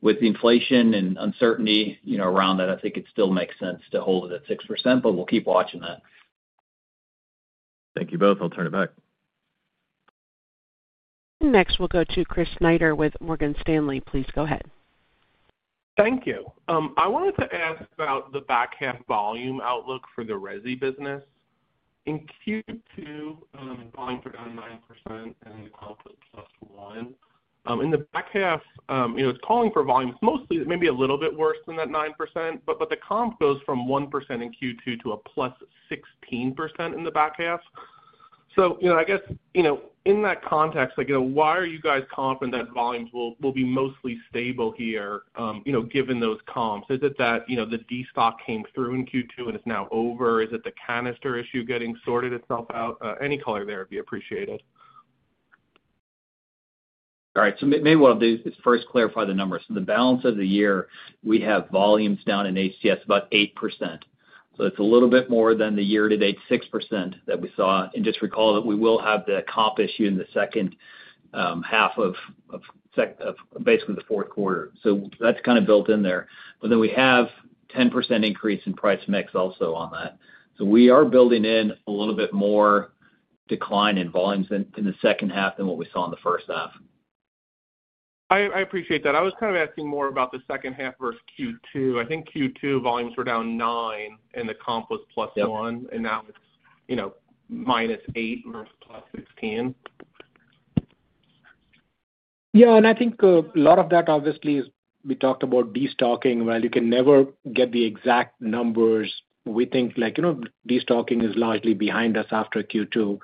With the inflation and uncertainty around that, I think it still makes sense to hold it at 6%, but we'll keep watching that. Thank you both. I'll turn it back. Next, we'll go to Chris Snyder with Morgan Stanley. Please go ahead. Thank you. I wanted to ask about the back half volume outlook for the resi business. In Q2, volume for down 9% and comp was plus 1%. In the back half, it's calling for volumes mostly maybe a little bit worse than that 9%. But the comp goes from 1% in Q2 to a +16% in the back half. I guess in that context, why are you guys confident that volumes will be mostly stable here given those comps? Is it that the destock came through in Q2 and it's now over? Is it the canister issue getting sorted itself out? Any color there would be appreciated. All right. Maybe what I'll do is first clarify the numbers. The balance of the year, we have volumes down in HCS about 8%. It is a little bit more than the year-to-date 6% that we saw. Just recall that we will have the comp issue in the second half, basically the 4th quarter. That is kind of built in there. We have a 10% increase in price mix also on that. We are building in a little bit more decline in volumes in the second half than what we saw in the first half. I appreciate that. I was kind of asking more about the second half versus Q2. I think Q2 volumes were down 9%, and the comp was +1%. And now it is -8% versus +16%. Yeah. I think a lot of that, obviously, is we talked about destocking. You can never get the exact numbers. We think destocking is largely behind us after Q2.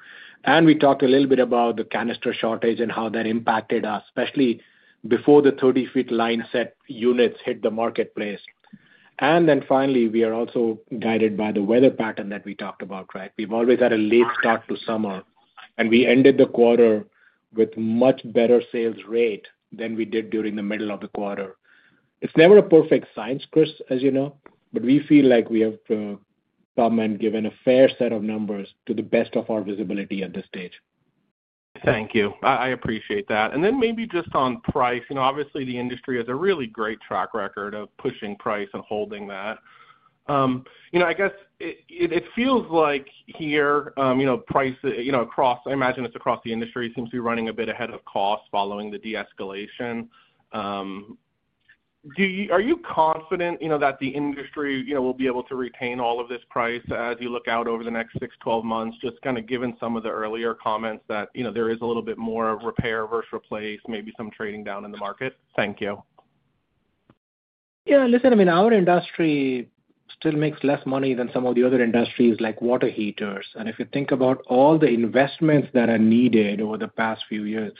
We talked a little bit about the canister shortage and how that impacted us, especially before the 30 ft line set units hit the marketplace. Finally, we are also guided by the weather pattern that we talked about, right? We've always had a late start to summer. We ended the quarter with a much better sales rate than we did during the middle of the quarter. It's never a perfect science, Chris, as you know. We feel like we have come and given a fair set of numbers to the best of our visibility at this stage. Thank you. I appreciate that. Maybe just on price, obviously, the industry has a really great track record of pushing price and holding that. I guess it feels like here, price across, I imagine it is across the industry, seems to be running a bit ahead of cost following the de-escalation. Are you confident that the industry will be able to retain all of this price as you look out over the next 6-12 months, just kind of given some of the earlier comments that there is a little bit more of repair versus replace, maybe some trading down in the market? Thank you. Yeah. Listen, I mean, our industry still makes less money than some of the other industries like water heaters. And if you think about all the investments that are needed over the past few years,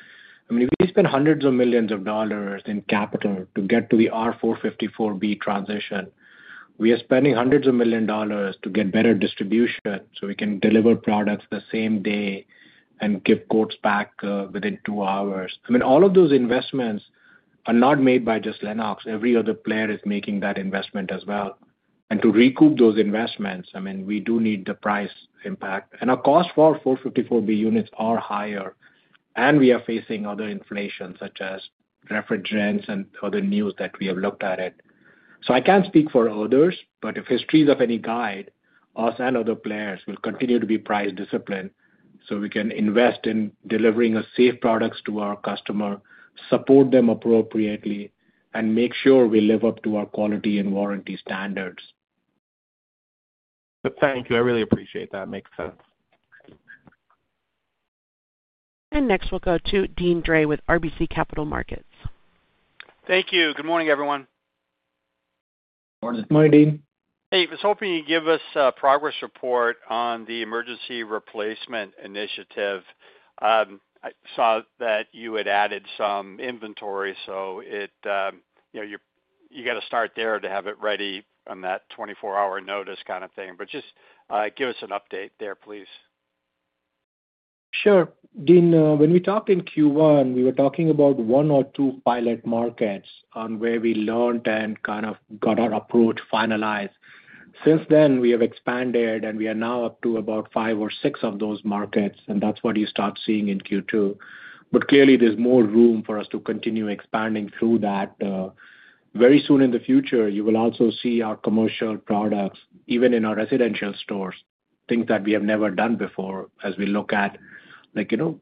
I mean, we spent hundreds of millions of dollars in capital to get to the R-454B transition. We are spending hundreds of millions of dollars to get better distribution so we can deliver products the same day and give quotes back within two hours. I mean, all of those investments are not made by just Lennox. Every other player is making that investment as well. And to recoup those investments, I mean, we do need the price impact. And our cost for R-454B units are higher. And we are facing other inflations such as refrigerants and other news that we have looked at. So I can't speak for others, but if history is of any guide, us and other players will continue to be price disciplined so we can invest in delivering safe products to our customer, support them appropriately, and make sure we live up to our quality and warranty standards. Thank you. I really appreciate that. Makes sense. Next, we'll go to Deane Dray with RBC Capital Markets. Thank you. Good morning, everyone. Morning. Morning, Deane. Hey. I was hoping you'd give us a progress report on the emergency replacement initiative. I saw that you had added some inventory, so you got to start there to have it ready on that 24-hour notice kind of thing. Just give us an update there, please. Sure. Deane, when we talked in Q1, we were talking about one or two pilot markets on where we learned and kind of got our approach finalized. Since then, we have expanded, and we are now up to about five or six of those markets. That is what you start seeing in Q2. Clearly, there is more room for us to continue expanding through that. Very soon in the future, you will also see our commercial products, even in our residential stores, things that we have never done before as we look at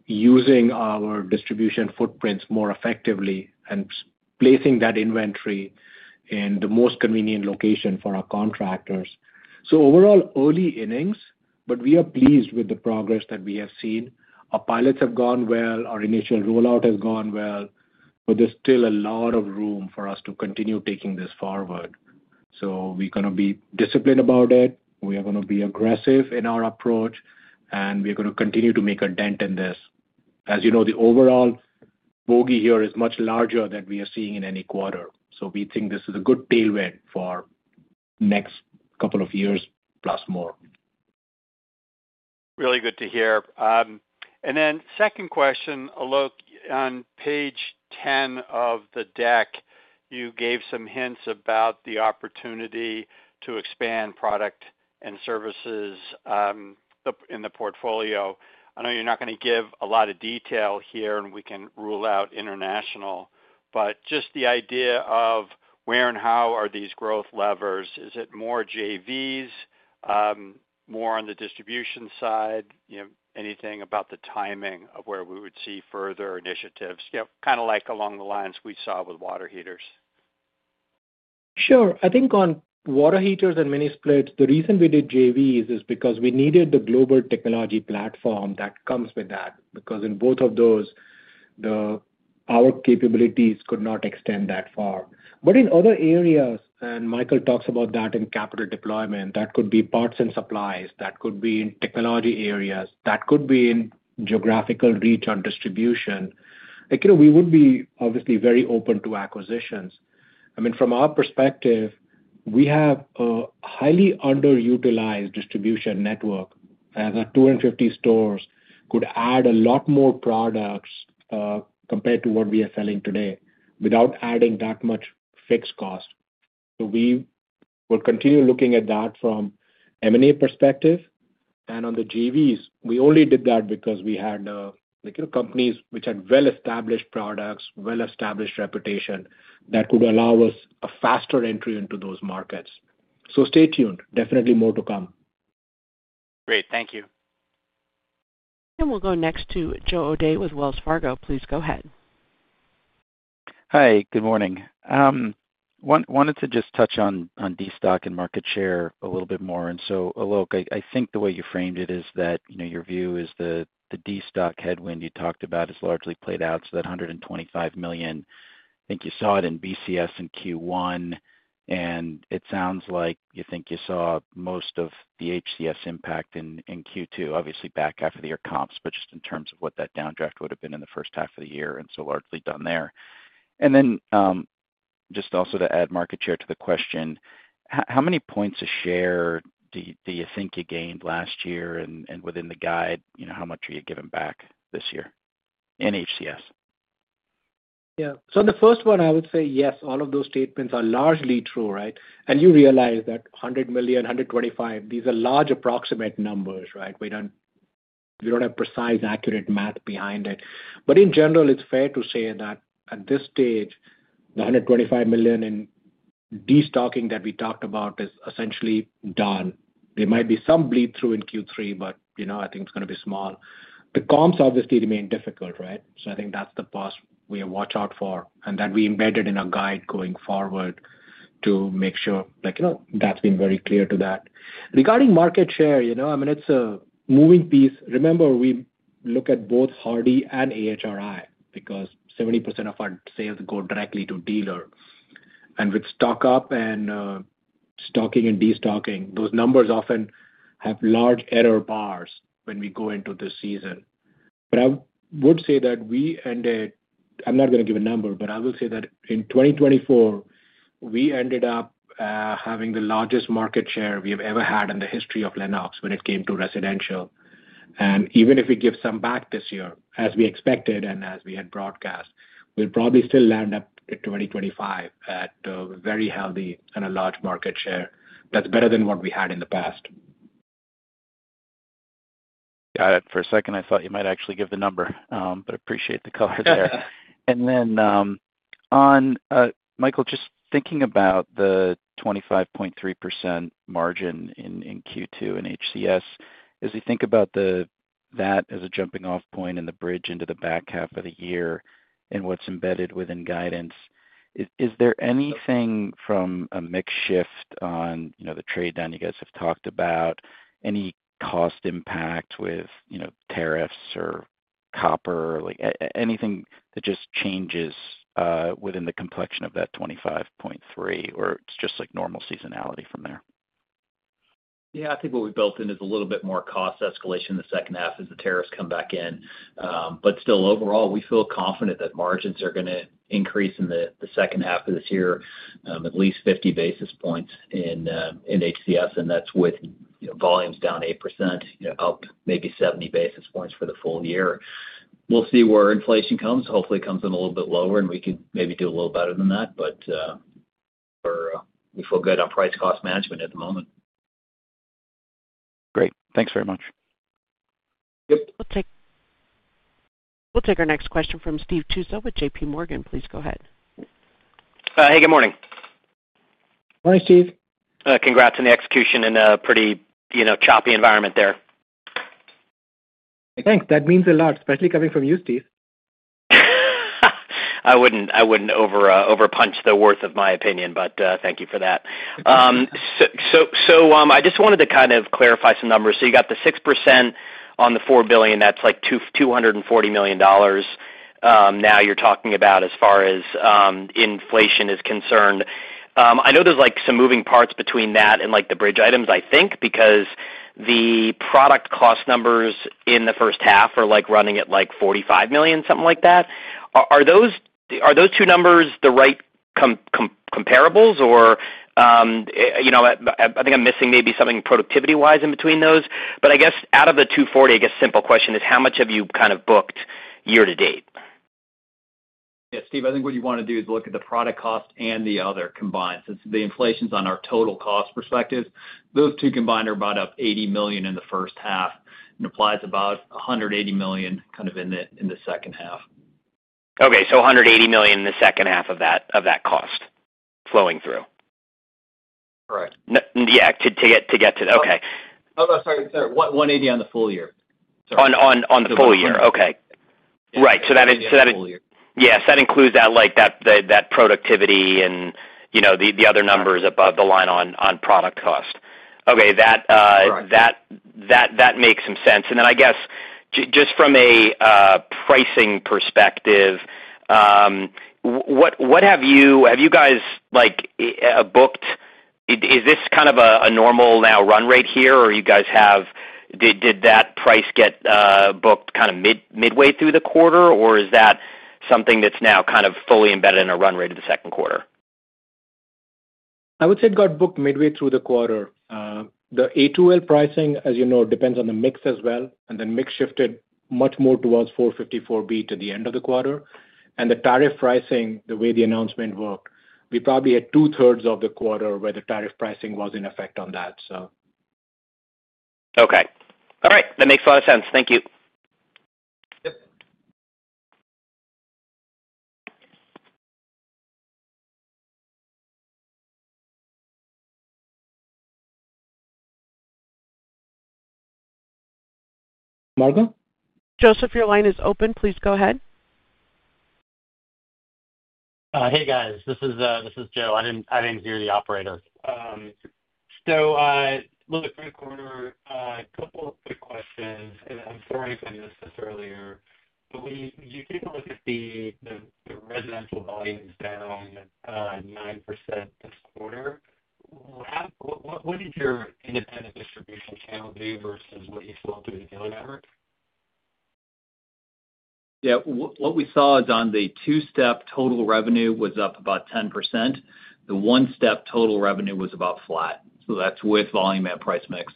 using our distribution footprints more effectively and placing that inventory in the most convenient location for our contractors. Overall, early innings, but we are pleased with the progress that we have seen. Our pilots have gone well. Our initial rollout has gone well. There is still a lot of room for us to continue taking this forward. We are going to be disciplined about it. We are going to be aggressive in our approach. We are going to continue to make a dent in this. As you know, the overall bogey here is much larger than we are seeing in any quarter. We think this is a good tailwind for the next couple of years plus more. Really good to hear. Then second question, Alok, on page 10 of the deck, you gave some hints about the opportunity to expand product and services in the portfolio. I know you're not going to give a lot of detail here, and we can rule out international. Just the idea of where and how are these growth levers? Is it more JVs, more on the distribution side? Anything about the timing of where we would see further initiatives? Kind of like along the lines we saw with water heaters. Sure. I think on water heaters and mini-splits, the reason we did JVs is because we needed the global technology platform that comes with that. Because in both of those, the power capabilities could not extend that far. In other areas, and Michael talks about that in capital deployment, that could be parts and supplies. That could be in technology areas. That could be in geographical reach on distribution. We would be obviously very open to acquisitions. I mean, from our perspective, we have a highly underutilized distribution network. As our 250 stores could add a lot more products compared to what we are selling today without adding that much fixed cost. We will continue looking at that from M&A perspective. On the JVs, we only did that because we had companies which had well-established products, well-established reputation that could allow us a faster entry into those markets. Stay tuned. Definitely more to come. Great. Thank you. We'll go next to Joe O'Dea with Wells Fargo. Please go ahead. Hi. Good morning. I wanted to just touch on destock and market share a little bit more. Alok, I think the way you framed it is that your view is the destock headwind you talked about has largely played out. That $125 million, I think you saw it in BCS in Q1. It sounds like you think you saw most of the HCS impact in Q2, obviously back after the year comps, but just in terms of what that downdraft would have been in the first half of the year. Largely done there. Also, to add market share to the question, how many points a share do you think you gained last year? Within the guide, how much are you giving back this year in HCS? Yeah. The first one, I would say, yes, all of those statements are largely true, right? You realize that $100 million, $125 million, these are large approximate numbers, right? We do not have precise accurate math behind it. In general, it is fair to say that at this stage, the $125 million in destocking that we talked about is essentially done. There might be some bleed-through in Q3, but I think it is going to be small. The comps obviously remain difficult, right? I think that is the path we watch out for and that we embedded in our guide going forward to make sure that has been very clear to that. Regarding market share, I mean, it is a moving piece. Remember, we look at both HARDI and AHRI because 70% of our sales go directly to dealer. With stock-up and stocking and destocking, those numbers often have large error bars when we go into the season. I would say that we ended—I am not going to give a number, but I will say that in 2024, we ended up having the largest market share we have ever had in the history of Lennox when it came to residential. Even if we give some back this year, as we expected and as we had broadcast, we will probably still land up in 2025 at a very healthy and a large market share that is better than what we had in the past. Got it. For a second, I thought you might actually give the number, but appreciate the color there. Michael, just thinking about the 25.3% margin in Q2 in HCS, as you think about that as a jumping-off point and the bridge into the back half of the year and what is embedded within guidance, is there anything from a mix shift on the trade down you guys have talked about, any cost impact with tariffs or copper, anything that just changes within the complexion of that 25.3%, or is it just normal seasonality from there? Yeah. I think what we built in is a little bit more cost escalation in the second half as the tariffs come back in. Still, overall, we feel confident that margins are going to increase in the second half of this year, at least 50 basis points in HCS. That is with volumes down 8%, up maybe 70 basis points for the full year. We will see where inflation comes. Hopefully, it comes in a little bit lower, and we can maybe do a little better than that. We feel good on price-cost management at the moment. Great. Thanks very much. We'll take our next question from Steve Tusa with J.P. Morgan. Please go ahead. Hey. Good morning. Morning, Steve. Congrats on the execution in a pretty choppy environment there. Thanks. That means a lot, especially coming from you, Steve. I wouldn't over-punch the worth of my opinion, but thank you for that. I just wanted to kind of clarify some numbers. You got the 6% on the $4 billion. That's like $240 million. Now you're talking about as far as inflation is concerned. I know there's some moving parts between that and the bridge items, I think, because the product cost numbers in the first half are running at like $45 million, something like that. Are those two numbers the right comparables, or? I think I'm missing maybe something productivity-wise in between those. I guess out of the $240 million, I guess simple question is, how much have you kind of booked year-to-date? Yeah. Steve, I think what you want to do is look at the product cost and the other combined. Since the inflation's on our total cost perspective, those two combined are about up $80 million in the first half. And it applies about $180 million kind of in the second half. Okay. $180 million in the second half of that cost. Flowing through. Correct. Yeah. To get to that. Okay. Oh, sorry. Sorry. 180 on the full year. Sorry. On the full year. Okay. Right. So that. On the full year. Yes. That includes that. Productivity and the other numbers above the line on product cost. Okay. That makes some sense. I guess just from a pricing perspective, have you guys booked? Is this kind of a normal now run rate here, or you guys have, did that price get booked kind of midway through the quarter, or is that something that's now kind of fully embedded in a run rate of the 2nd quarter? I would say it got booked midway through the quarter. The A2L pricing, as you know, depends on the mix as well. The mix shifted much more towards 454B to the end of the quarter. The tariff pricing, the way the announcement worked, we probably had two-thirds of the quarter where the tariff pricing was in effect on that. Okay. All right. That makes a lot of sense. Thank you. Margo? Joseph, your line is open. Please go ahead. Hey, guys. This is Joe. I did not hear the operator. Look, for the quarter, a couple of quick questions. I am sorry if I missed this earlier. When you take a look at the residential volumes down 9% this quarter, what did your independent distribution channel do versus what you sold through the dealer network? Yeah, what we saw is on the two-step total revenue was up about 10%. The one-step total revenue was about flat. That is with volume and price mix.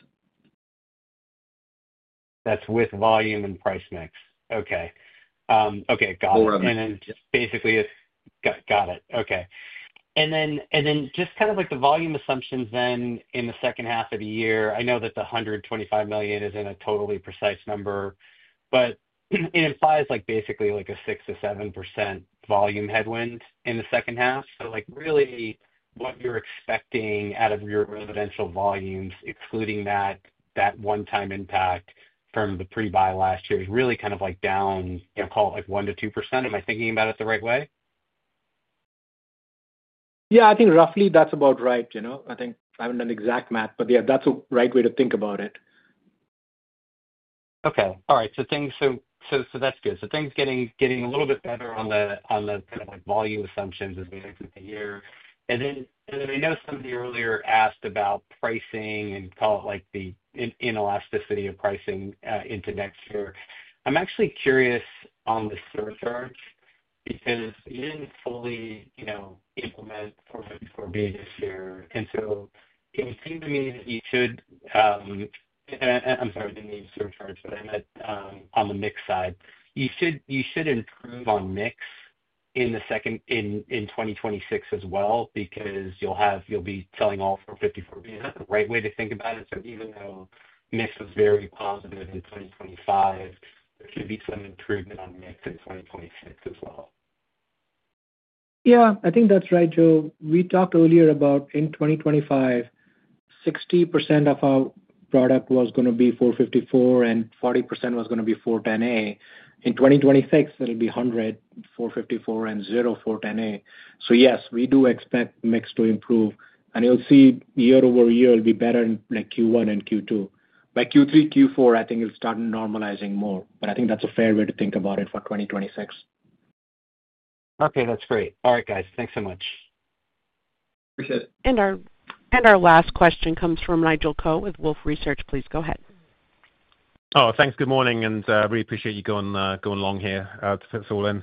That's with volume and price mix. Okay. Got it. And then just kind of the volume assumptions then in the second half of the year, I know that the $125 million isn't a totally precise number, but it implies basically a 6-7% volume headwind in the second half. Really, what you're expecting out of your residential volumes, excluding that one-time impact from the pre-buy last year, is really kind of down, call it like 1-2%. Am I thinking about it the right way? Yeah. I think roughly that's about right. I think I haven't done exact math, but yeah, that's a right way to think about it. Okay. All right. So that's good. Things getting a little bit better on the kind of volume assumptions as we look at the year. I know somebody earlier asked about pricing and call it like the inelasticity of pricing into next year. I'm actually curious on the surcharge because you didn't fully implement 454B this year. It would seem to me that you should— I'm sorry, I didn't mean surcharge, but I meant on the mix side. You should improve on mix in 2026 as well because you'll be selling all 454B. That's the right way to think about it. Even though mix was very positive in 2025, there should be some improvement on mix in 2026 as well. Yeah. I think that's right, Joe. We talked earlier about in 2025, 60% of our product was going to be 454 and 40% was going to be 410A. In 2026, it'll be 100% 454 and 0% 410A. Yes, we do expect mix to improve. You'll see year over year it'll be better in Q1 and Q2. By Q3, Q4, I think it'll start normalizing more. I think that's a fair way to think about it for 2026. Okay. That's great. All right, guys. Thanks so much. Our last question comes from Nigel Coe with Wolfe Research. Please go ahead. Oh, thanks. Good morning. I really appreciate you going along here, fit us all in.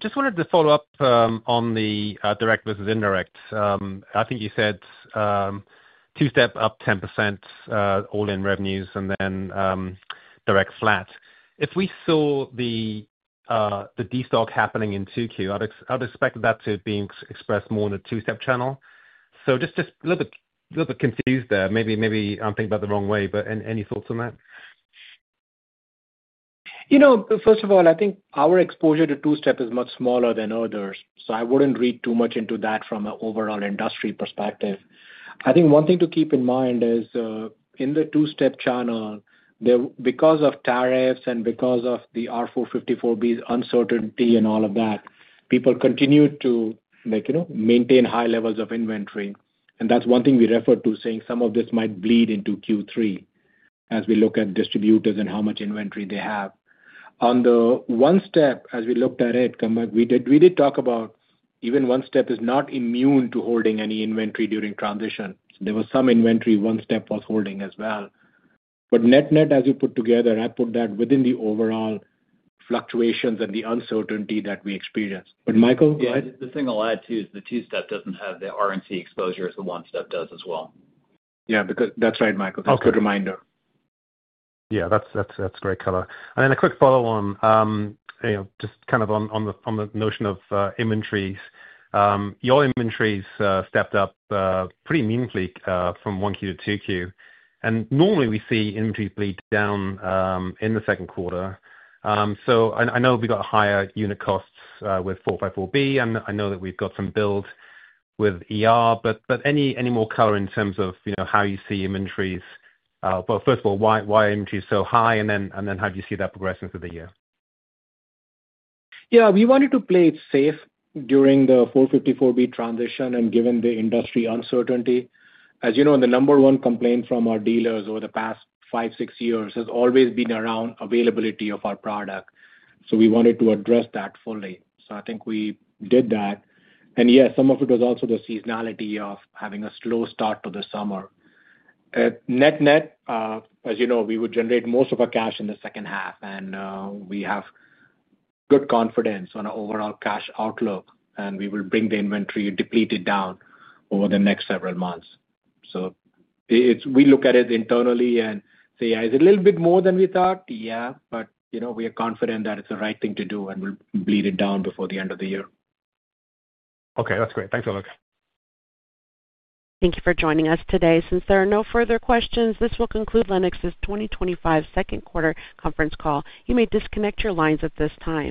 Just wanted to follow up on the direct versus indirect. I think you said two-step up 10% all-in revenues and then direct flat. If we saw the destock happening in 2Q, I would expect that to be expressed more in the two-step channel. Just a little bit confused there. Maybe I'm thinking about it the wrong way, but any thoughts on that? First of all, I think our exposure to two-step is much smaller than others. I would not read too much into that from an overall industry perspective. I think one thing to keep in mind is in the two-step channel, because of tariffs and because of the R-454B's uncertainty and all of that, people continue to maintain high levels of inventory. That is one thing we referred to, saying some of this might bleed into Q3 as we look at distributors and how much inventory they have. On the one-step, as we looked at it, we did talk about even one-step is not immune to holding any inventory during transition. There was some inventory one-step was holding as well. Net-net, as you put together, I put that within the overall fluctuations and the uncertainty that we experienced. Michael, go ahead. The thing I'll add too is the two-step doesn't have the R&C exposure as the one-step does as well. Yeah. That's right, Michael. That's a good reminder. Okay. Yeah. That's great color. And then a quick follow-on. Just kind of on the notion of inventories. Your inventories stepped up pretty meaningfully from 1Q to 2Q. Normally, we see inventories bleed down in the 2nd quarter. I know we got higher unit costs with R-454B. I know that we've got some build with, but any more color in terms of how you see inventories? First of all, why inventory is so high, and then how do you see that progressing through the year? Yeah. We wanted to play it safe during the 454B transition and given the industry uncertainty. As you know, the number one complaint from our dealers over the past five, six years has always been around availability of our product. We wanted to address that fully. I think we did that. Yeah, some of it was also the seasonality of having a slow start to the summer. Net-net, as you know, we would generate most of our cash in the second half. We have good confidence on our overall cash outlook. We will bring the inventory, deplete it down over the next several months. We look at it internally and say, "Yeah, is it a little bit more than we thought?" "Yeah." We are confident that it's the right thing to do, and we'll bleed it down before the end of the year. Okay. That's great. Thanks, Alok. Thank you for joining us today. Since there are no further questions, this will conclude Lennox International's 2025 2nd quarter conference call. You may disconnect your lines at this time.